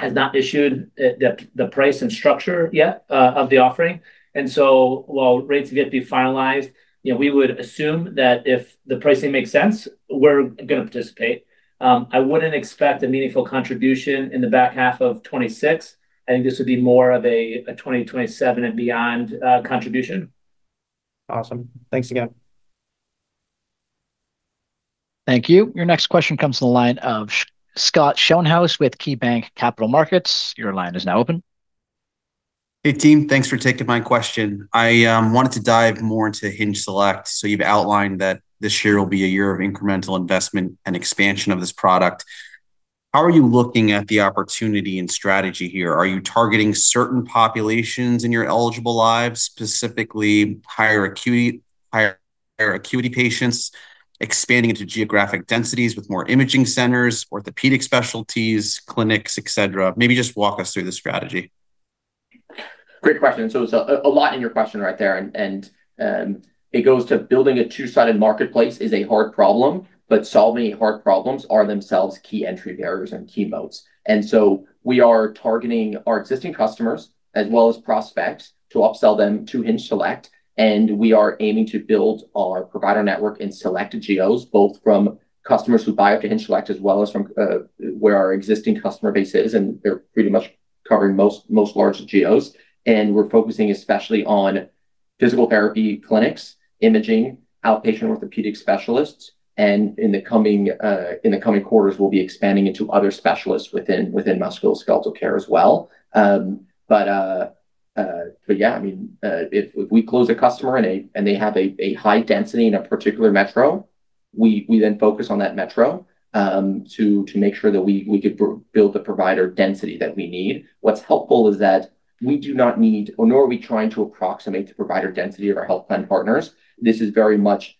has not issued the price and structure yet of the offering. And so while rates have yet to be finalized, we would assume that if the pricing makes sense, we're going to participate. I wouldn't expect a meaningful contribution in the back half of 2026. I think this would be more of a 2027 and beyond contribution. Awesome. Thanks again. Thank you. Your next question comes from the line of Scott Schoenhaus with KeyBanc Capital Markets. Your line is now open. Hey, team. Thanks for taking my question. I wanted to dive more into Hinge Select. So you've outlined that this year will be a year of incremental investment and expansion of this product. How are you looking at the opportunity and strategy here? Are you targeting certain populations in your eligible lives, specifically higher acuity patients, expanding into geographic densities with more imaging centers, orthopedic specialties, clinics, etc.? Maybe just walk us through the strategy. Great question. So it's a lot in your question right there. And it goes to building a two-sided marketplace is a hard problem, but solving hard problems are themselves key entry barriers and key moats. And so we are targeting our existing customers as well as prospects to upsell them to Hinge Select. And we are aiming to build our provider network in selected geos, both from customers who buy up to Hinge Select as well as from where our existing customer base is. And they're pretty much covering most large GOs. And we're focusing especially on physical therapy clinics, imaging, outpatient orthopedic specialists. And in the coming quarters, we'll be expanding into other specialists within musculoskeletal care as well. But yeah, I mean, if we close a customer and they have a high density in a particular metro, we then focus on that metro to make sure that we could build the provider density that we need. What's helpful is that we do not need nor are we trying to approximate the provider density of our health plan partners. This is very much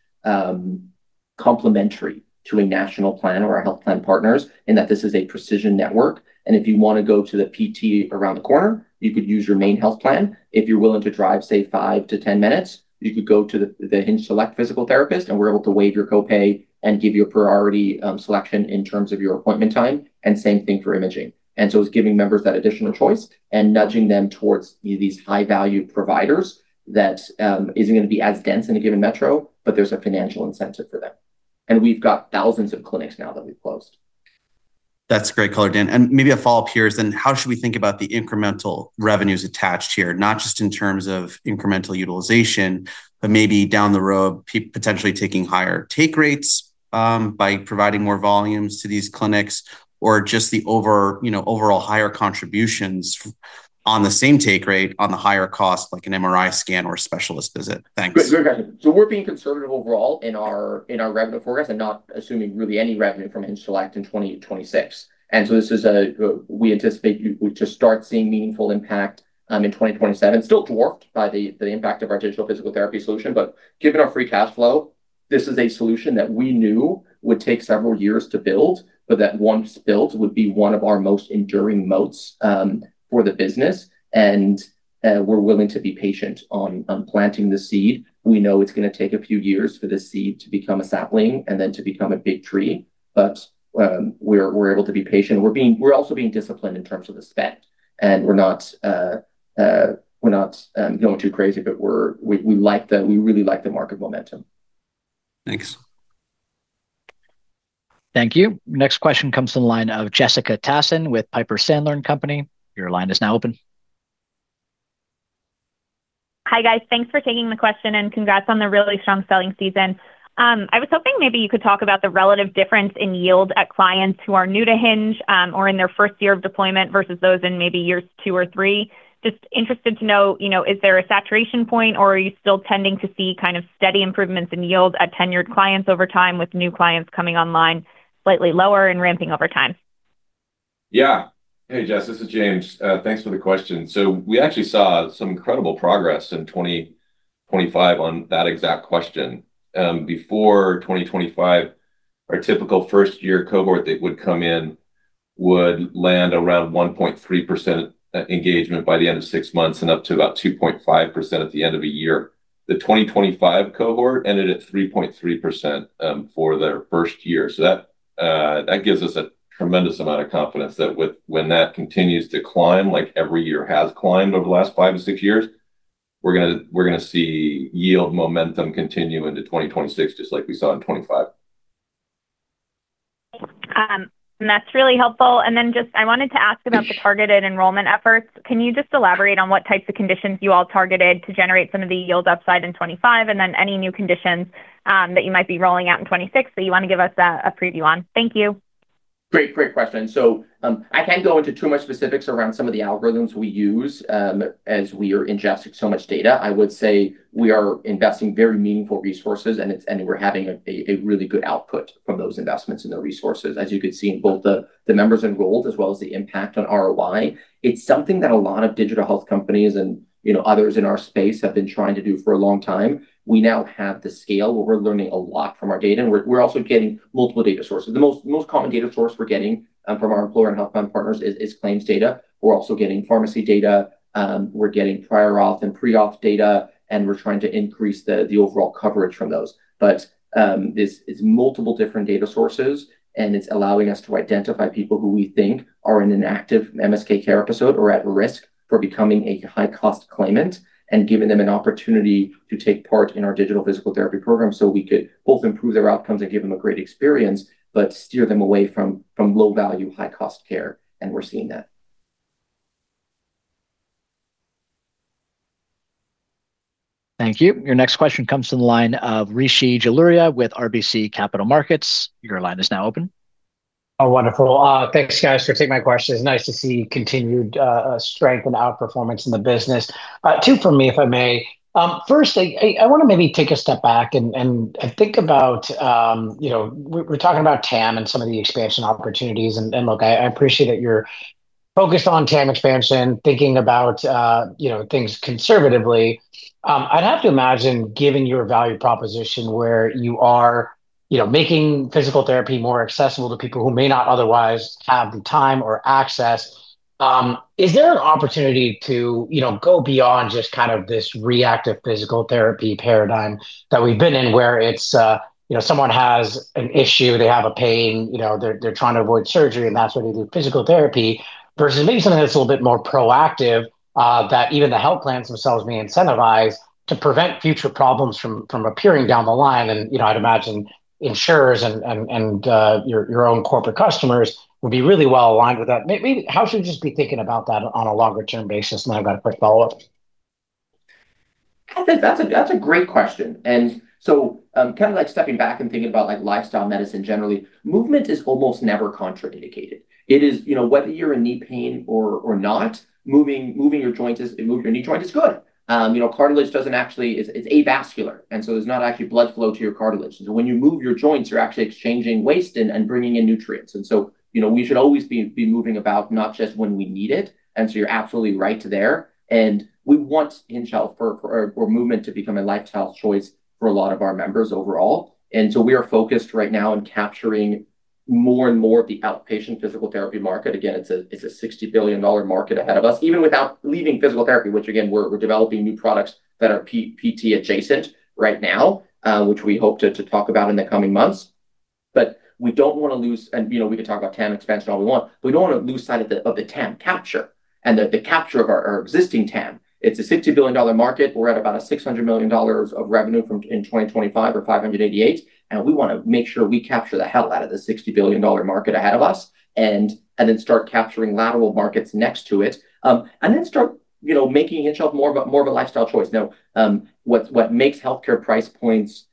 complementary to a national plan or our health plan partners in that this is a precision network. And if you want to go to the PT around the corner, you could use your main health plan. If you're willing to drive, say, 5-10 minutes, you could go to the Hinge Select physical therapist, and we're able to waive your copay and give you a priority selection in terms of your appointment time. And same thing for imaging. So it's giving members that additional choice and nudging them towards these high-value providers that isn't going to be as dense in a given metro, but there's a financial incentive for them. We've got thousands of clinics now that we've closed. That's a great color, Dan. And maybe a follow-up here is then how should we think about the incremental revenues attached here, not just in terms of incremental utilization, but maybe down the road, potentially taking higher take rates by providing more volumes to these clinics, or just the overall higher contributions on the same take rate on the higher cost, like an MRI scan or a specialist visit? Thanks. Great question. So we're being conservative overall in our revenue forecast and not assuming really any revenue from Hinge Select in 2026. And so this is, we anticipate we would just start seeing meaningful impact in 2027, still dwarfed by the impact of our digital physical therapy solution. But given our free cash flow, this is a solution that we knew would take several years to build, but that once built would be one of our most enduring moats for the business. And we're willing to be patient on planting the seed. We know it's going to take a few years for the seed to become a sapling and then to become a big tree. But we're able to be patient. We're also being disciplined in terms of the spend. And we're not going too crazy, but we like, we really like the market momentum. Thanks. Thank you. Next question comes from the line of Jessica Tassan with Piper Sandler & Company. Your line is now open. Hi, guys. Thanks for taking the question, and congrats on the really strong selling season. I was hoping maybe you could talk about the relative difference in yield at clients who are new to Hinge or in their first year of deployment versus those in maybe years two or three. Just interested to know, is there a saturation point, or are you still tending to see kind of steady improvements in yield at tenured clients over time with new clients coming online slightly lower and ramping over time? Yeah. Hey, Jess. This is James. Thanks for the question. So we actually saw some incredible progress in 2025 on that exact question. Before 2025, our typical first-year cohort that would come in would land around 1.3% engagement by the end of six months and up to about 2.5% at the end of a year. The 2025 cohort ended at 3.3% for their first year. So that gives us a tremendous amount of confidence that when that continues to climb, like every year has climbed over the last five to six years, we're going to see yield momentum continue into 2026 just like we saw in 2025. That's really helpful. Then just, I wanted to ask about the targeted enrollment efforts. Can you just elaborate on what types of conditions you all targeted to generate some of the yield upside in 2025 and then any new conditions that you might be rolling out in 2026 that you want to give us a preview on? Thank you. Great. Great question. So I can't go into too much specifics around some of the algorithms we use as we are ingesting so much data. I would say we are investing very meaningful resources, and we're having a really good output from those investments and the resources. As you could see in both the members enrolled as well as the impact on ROI, it's something that a lot of digital health companies and others in our space have been trying to do for a long time. We now have the scale. We're learning a lot from our data. And we're also getting multiple data sources. The most common data source we're getting from our employer and health plan partners is claims data. We're also getting pharmacy data. We're getting prior auth and pre-auth data, and we're trying to increase the overall coverage from those. But it's multiple different data sources, and it's allowing us to identify people who we think are in an active MSK care episode or at risk for becoming a high-cost claimant and giving them an opportunity to take part in our digital physical therapy program so we could both improve their outcomes and give them a great experience but steer them away from low-value, high-cost care. And we're seeing that. Thank you. Your next question comes from the line of Rishi Jaluria with RBC Capital Markets. Your line is now open. Oh, wonderful. Thanks, guys, for taking my question. It's nice to see continued strength and outperformance in the business. Two from me, if I may. First, I want to maybe take a step back and think about we're talking about TAM and some of the expansion opportunities. And look, I appreciate that you're focused on TAM expansion, thinking about things conservatively. I'd have to imagine given your value proposition where you are making physical therapy more accessible to people who may not otherwise have the time or access, is there an opportunity to go beyond just kind of this reactive physical therapy paradigm that we've been in where someone has an issue, they have a pain, they're trying to avoid surgery, and that's why they do physical therapy versus maybe something that's a little bit more proactive that even the health plans themselves may incentivize to prevent future problems from appearing down the line? And I'd imagine insurers and your own corporate customers would be really well aligned with that. Maybe how should we just be thinking about that on a longer-term basis? And then I've got a quick follow-up. I think that's a great question. And so kind of stepping back and thinking about lifestyle medicine generally, movement is almost never contraindicated. It is, whether you're in knee pain or not, moving your joints is—moving your knee joint—is good. Cartilage doesn't actually. It's avascular. And so there's not actually blood flow to your cartilage. And so when you move your joints, you're actually exchanging waste and bringing in nutrients. And so we should always be moving about, not just when we need it. And so you're absolutely right there. And we want Hinge Health or movement to become a lifestyle choice for a lot of our members overall. And so we are focused right now on capturing more and more of the outpatient physical therapy market. Again, it's a $60 billion market ahead of us, even without leaving physical therapy, which, again, we're developing new products that are PT-adjacent right now, which we hope to talk about in the coming months. But we don't want to lose and we could talk about TAM expansion all we want, but we don't want to lose sight of the TAM capture and the capture of our existing TAM. It's a $60 billion market. We're at about a $600 million of revenue in 2025 or $588 million. And we want to make sure we capture the hell out of the $60 billion market ahead of us and then start capturing lateral markets next to it and then start making Hinge Health more of a lifestyle choice. Now, what makes healthcare price points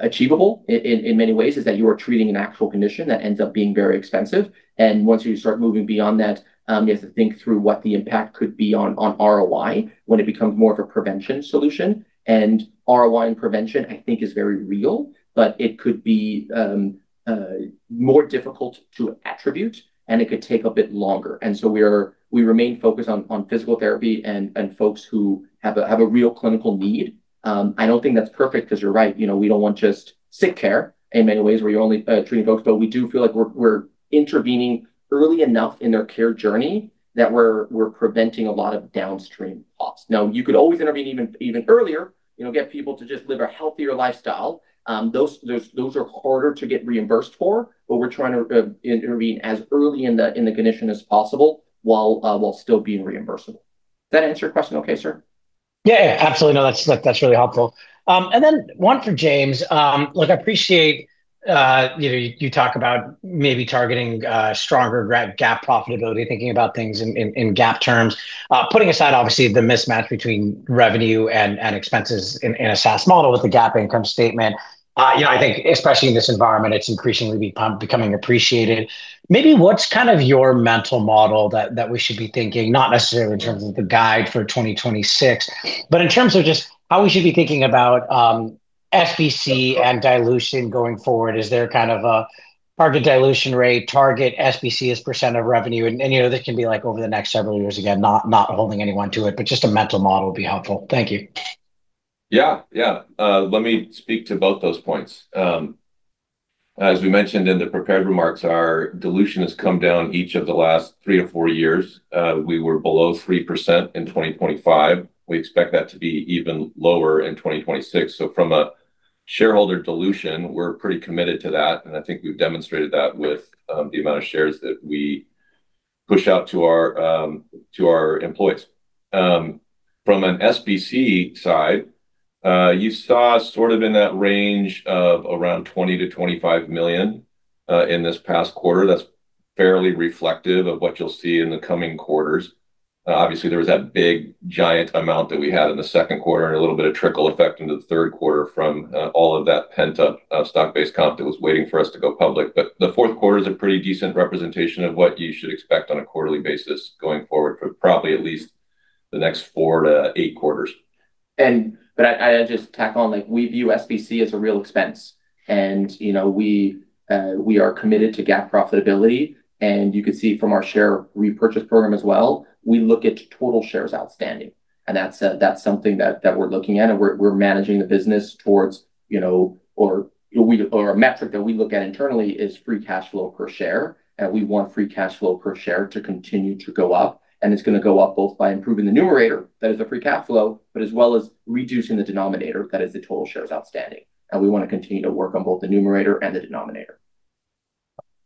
achievable in many ways is that you are treating an actual condition that ends up being very expensive. And once you start moving beyond that, you have to think through what the impact could be on ROI when it becomes more of a prevention solution. And ROI and prevention, I think, is very real, but it could be more difficult to attribute, and it could take a bit longer. And so we remain focused on physical therapy and folks who have a real clinical need. I don't think that's perfect because you're right. We don't want just sick care in many ways where you're only treating folks, but we do feel like we're intervening early enough in their care journey that we're preventing a lot of downstream costs. Now, you could always intervene even earlier, get people to just live a healthier lifestyle. Those are harder to get reimbursed for, but we're trying to intervene as early in the condition as possible while still being reimbursable. Does that answer your question okay, sir? Yeah, yeah. Absolutely. No, that's really helpful. And then one for James. Look, I appreciate you talk about maybe targeting stronger GAAP profitability, thinking about things in GAAP terms, putting aside, obviously, the mismatch between revenue and expenses in a SaaS model with a GAAP income statement. I think, especially in this environment, it's increasingly becoming appreciated. Maybe what's kind of your mental model that we should be thinking, not necessarily in terms of the guide for 2026, but in terms of just how we should be thinking about SBC and dilution going forward? Is there kind of a target dilution rate, target SBC as % of revenue? And this can be over the next several years, again, not holding anyone to it, but just a mental model would be helpful. Thank you. Yeah. Yeah. Let me speak to both those points. As we mentioned in the prepared remarks, our dilution has come down each of the last 3-4 years. We were below 3% in 2025. We expect that to be even lower in 2026. So from a shareholder dilution, we're pretty committed to that. And I think we've demonstrated that with the amount of shares that we push out to our employees. From an SBC side, you saw sort of in that range of around $20 million-$25 million in this past quarter. That's fairly reflective of what you'll see in the coming quarters. Obviously, there was that big, giant amount that we had in the second quarter and a little bit of trickle effect into the third quarter from all of that pent-up stock-based comp that was waiting for us to go public. But the fourth quarter is a pretty decent representation of what you should expect on a quarterly basis going forward for probably at least the next 4-8 quarters. But I'd just tack on, we view SBC as a real expense. We are committed to GAAP profitability. You could see from our share repurchase program as well, we look at total shares outstanding. That's something that we're looking at. We're managing the business towards or a metric that we look at internally is free cash flow per share. We want free cash flow per share to continue to go up. It's going to go up both by improving the numerator that is the free cash flow, but as well as reducing the denominator that is the total shares outstanding. We want to continue to work on both the numerator and the denominator.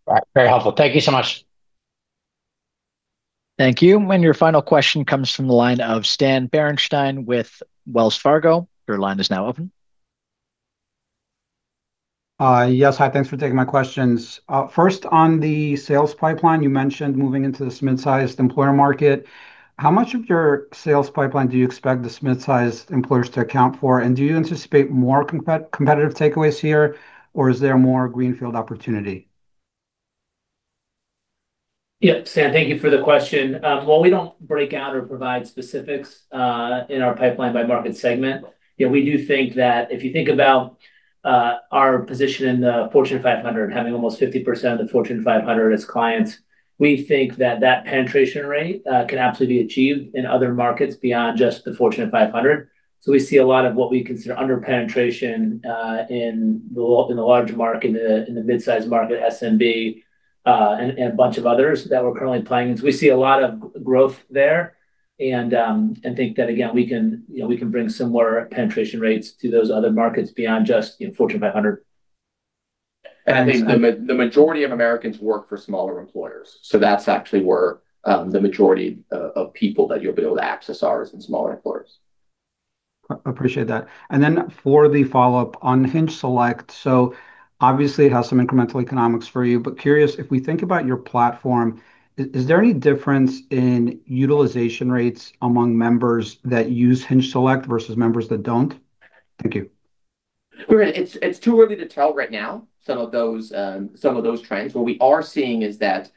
All right. Very helpful. Thank you so much. Thank you. And your final question comes from the line of Stan Berenshteyn with Wells Fargo. Your line is now open. Yes. Hi. Thanks for taking my questions. First, on the sales pipeline, you mentioned moving into the SMID-sized employer market. How much of your sales pipeline do you expect the SMID-sized employers to account for? And do you anticipate more competitive takeaways here, or is there more greenfield opportunity? Yeah. Stan, thank you for the question. While we don't break out or provide specifics in our pipeline by market segment, we do think that if you think about our position in the Fortune 500, having almost 50% of the Fortune 500 as clients, we think that that penetration rate can absolutely be achieved in other markets beyond just the Fortune 500. So we see a lot of what we consider underpenetration in the large market, in the midsize market, SMB, and a bunch of others that we're currently playing in. So we see a lot of growth there and think that, again, we can bring similar penetration rates to those other markets beyond just Fortune 500. I think the majority of Americans work for smaller employers. That's actually where the majority of people that you'll be able to access are is in smaller employers. Appreciate that. And then for the follow-up on Hinge Select, so obviously, it has some incremental economics for you, but curious, if we think about your platform, is there any difference in utilization rates among members that use Hinge Select versus members that don't? Thank you. It's too early to tell right now. Some of those trends. What we are seeing is that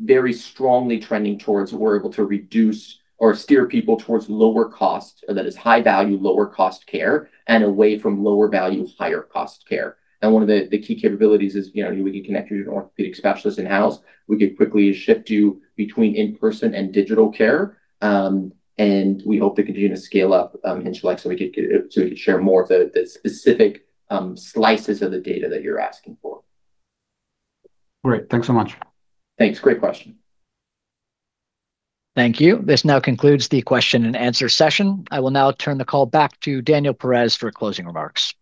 very strongly trending towards we're able to reduce or steer people towards lower cost that is high-value, lower-cost care, and away from lower-value, higher-cost care. And one of the key capabilities is we can connect you to an orthopedic specialist in-house. We could quickly shift you between in-person and digital care. And we hope to continue to scale up Hinge Select so we could share more of the specific slices of the data that you're asking for. Great. Thanks so much. Thanks. Great question. Thank you. This now concludes the question and answer session. I will now turn the call back to Daniel Perez for closing remarks.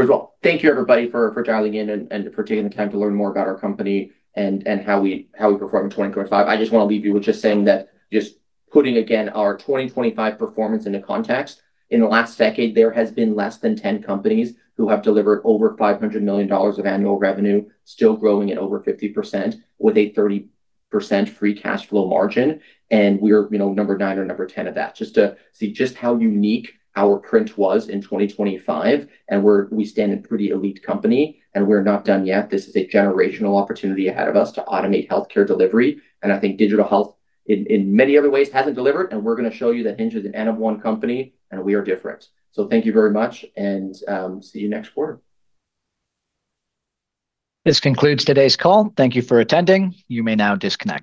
First of all, thank you, everybody, for dialing in and for taking the time to learn more about our company and how we perform in 2025. I just want to leave you with just saying that just putting, again, our 2025 performance into context, in the last decade, there has been less than 10 companies who have delivered over $500 million of annual revenue, still growing at over 50% with a 30% free cash flow margin. We're number nine or number 10 of that. Just to see just how unique our print was in 2025. We stand in pretty elite company. We're not done yet. This is a generational opportunity ahead of us to automate healthcare delivery. I think digital health, in many other ways, hasn't delivered. We're going to show you that Hinge is an N of One company, and we are different. Thank you very much, and see you next quarter. This concludes today's call. Thank you for attending. You may now disconnect.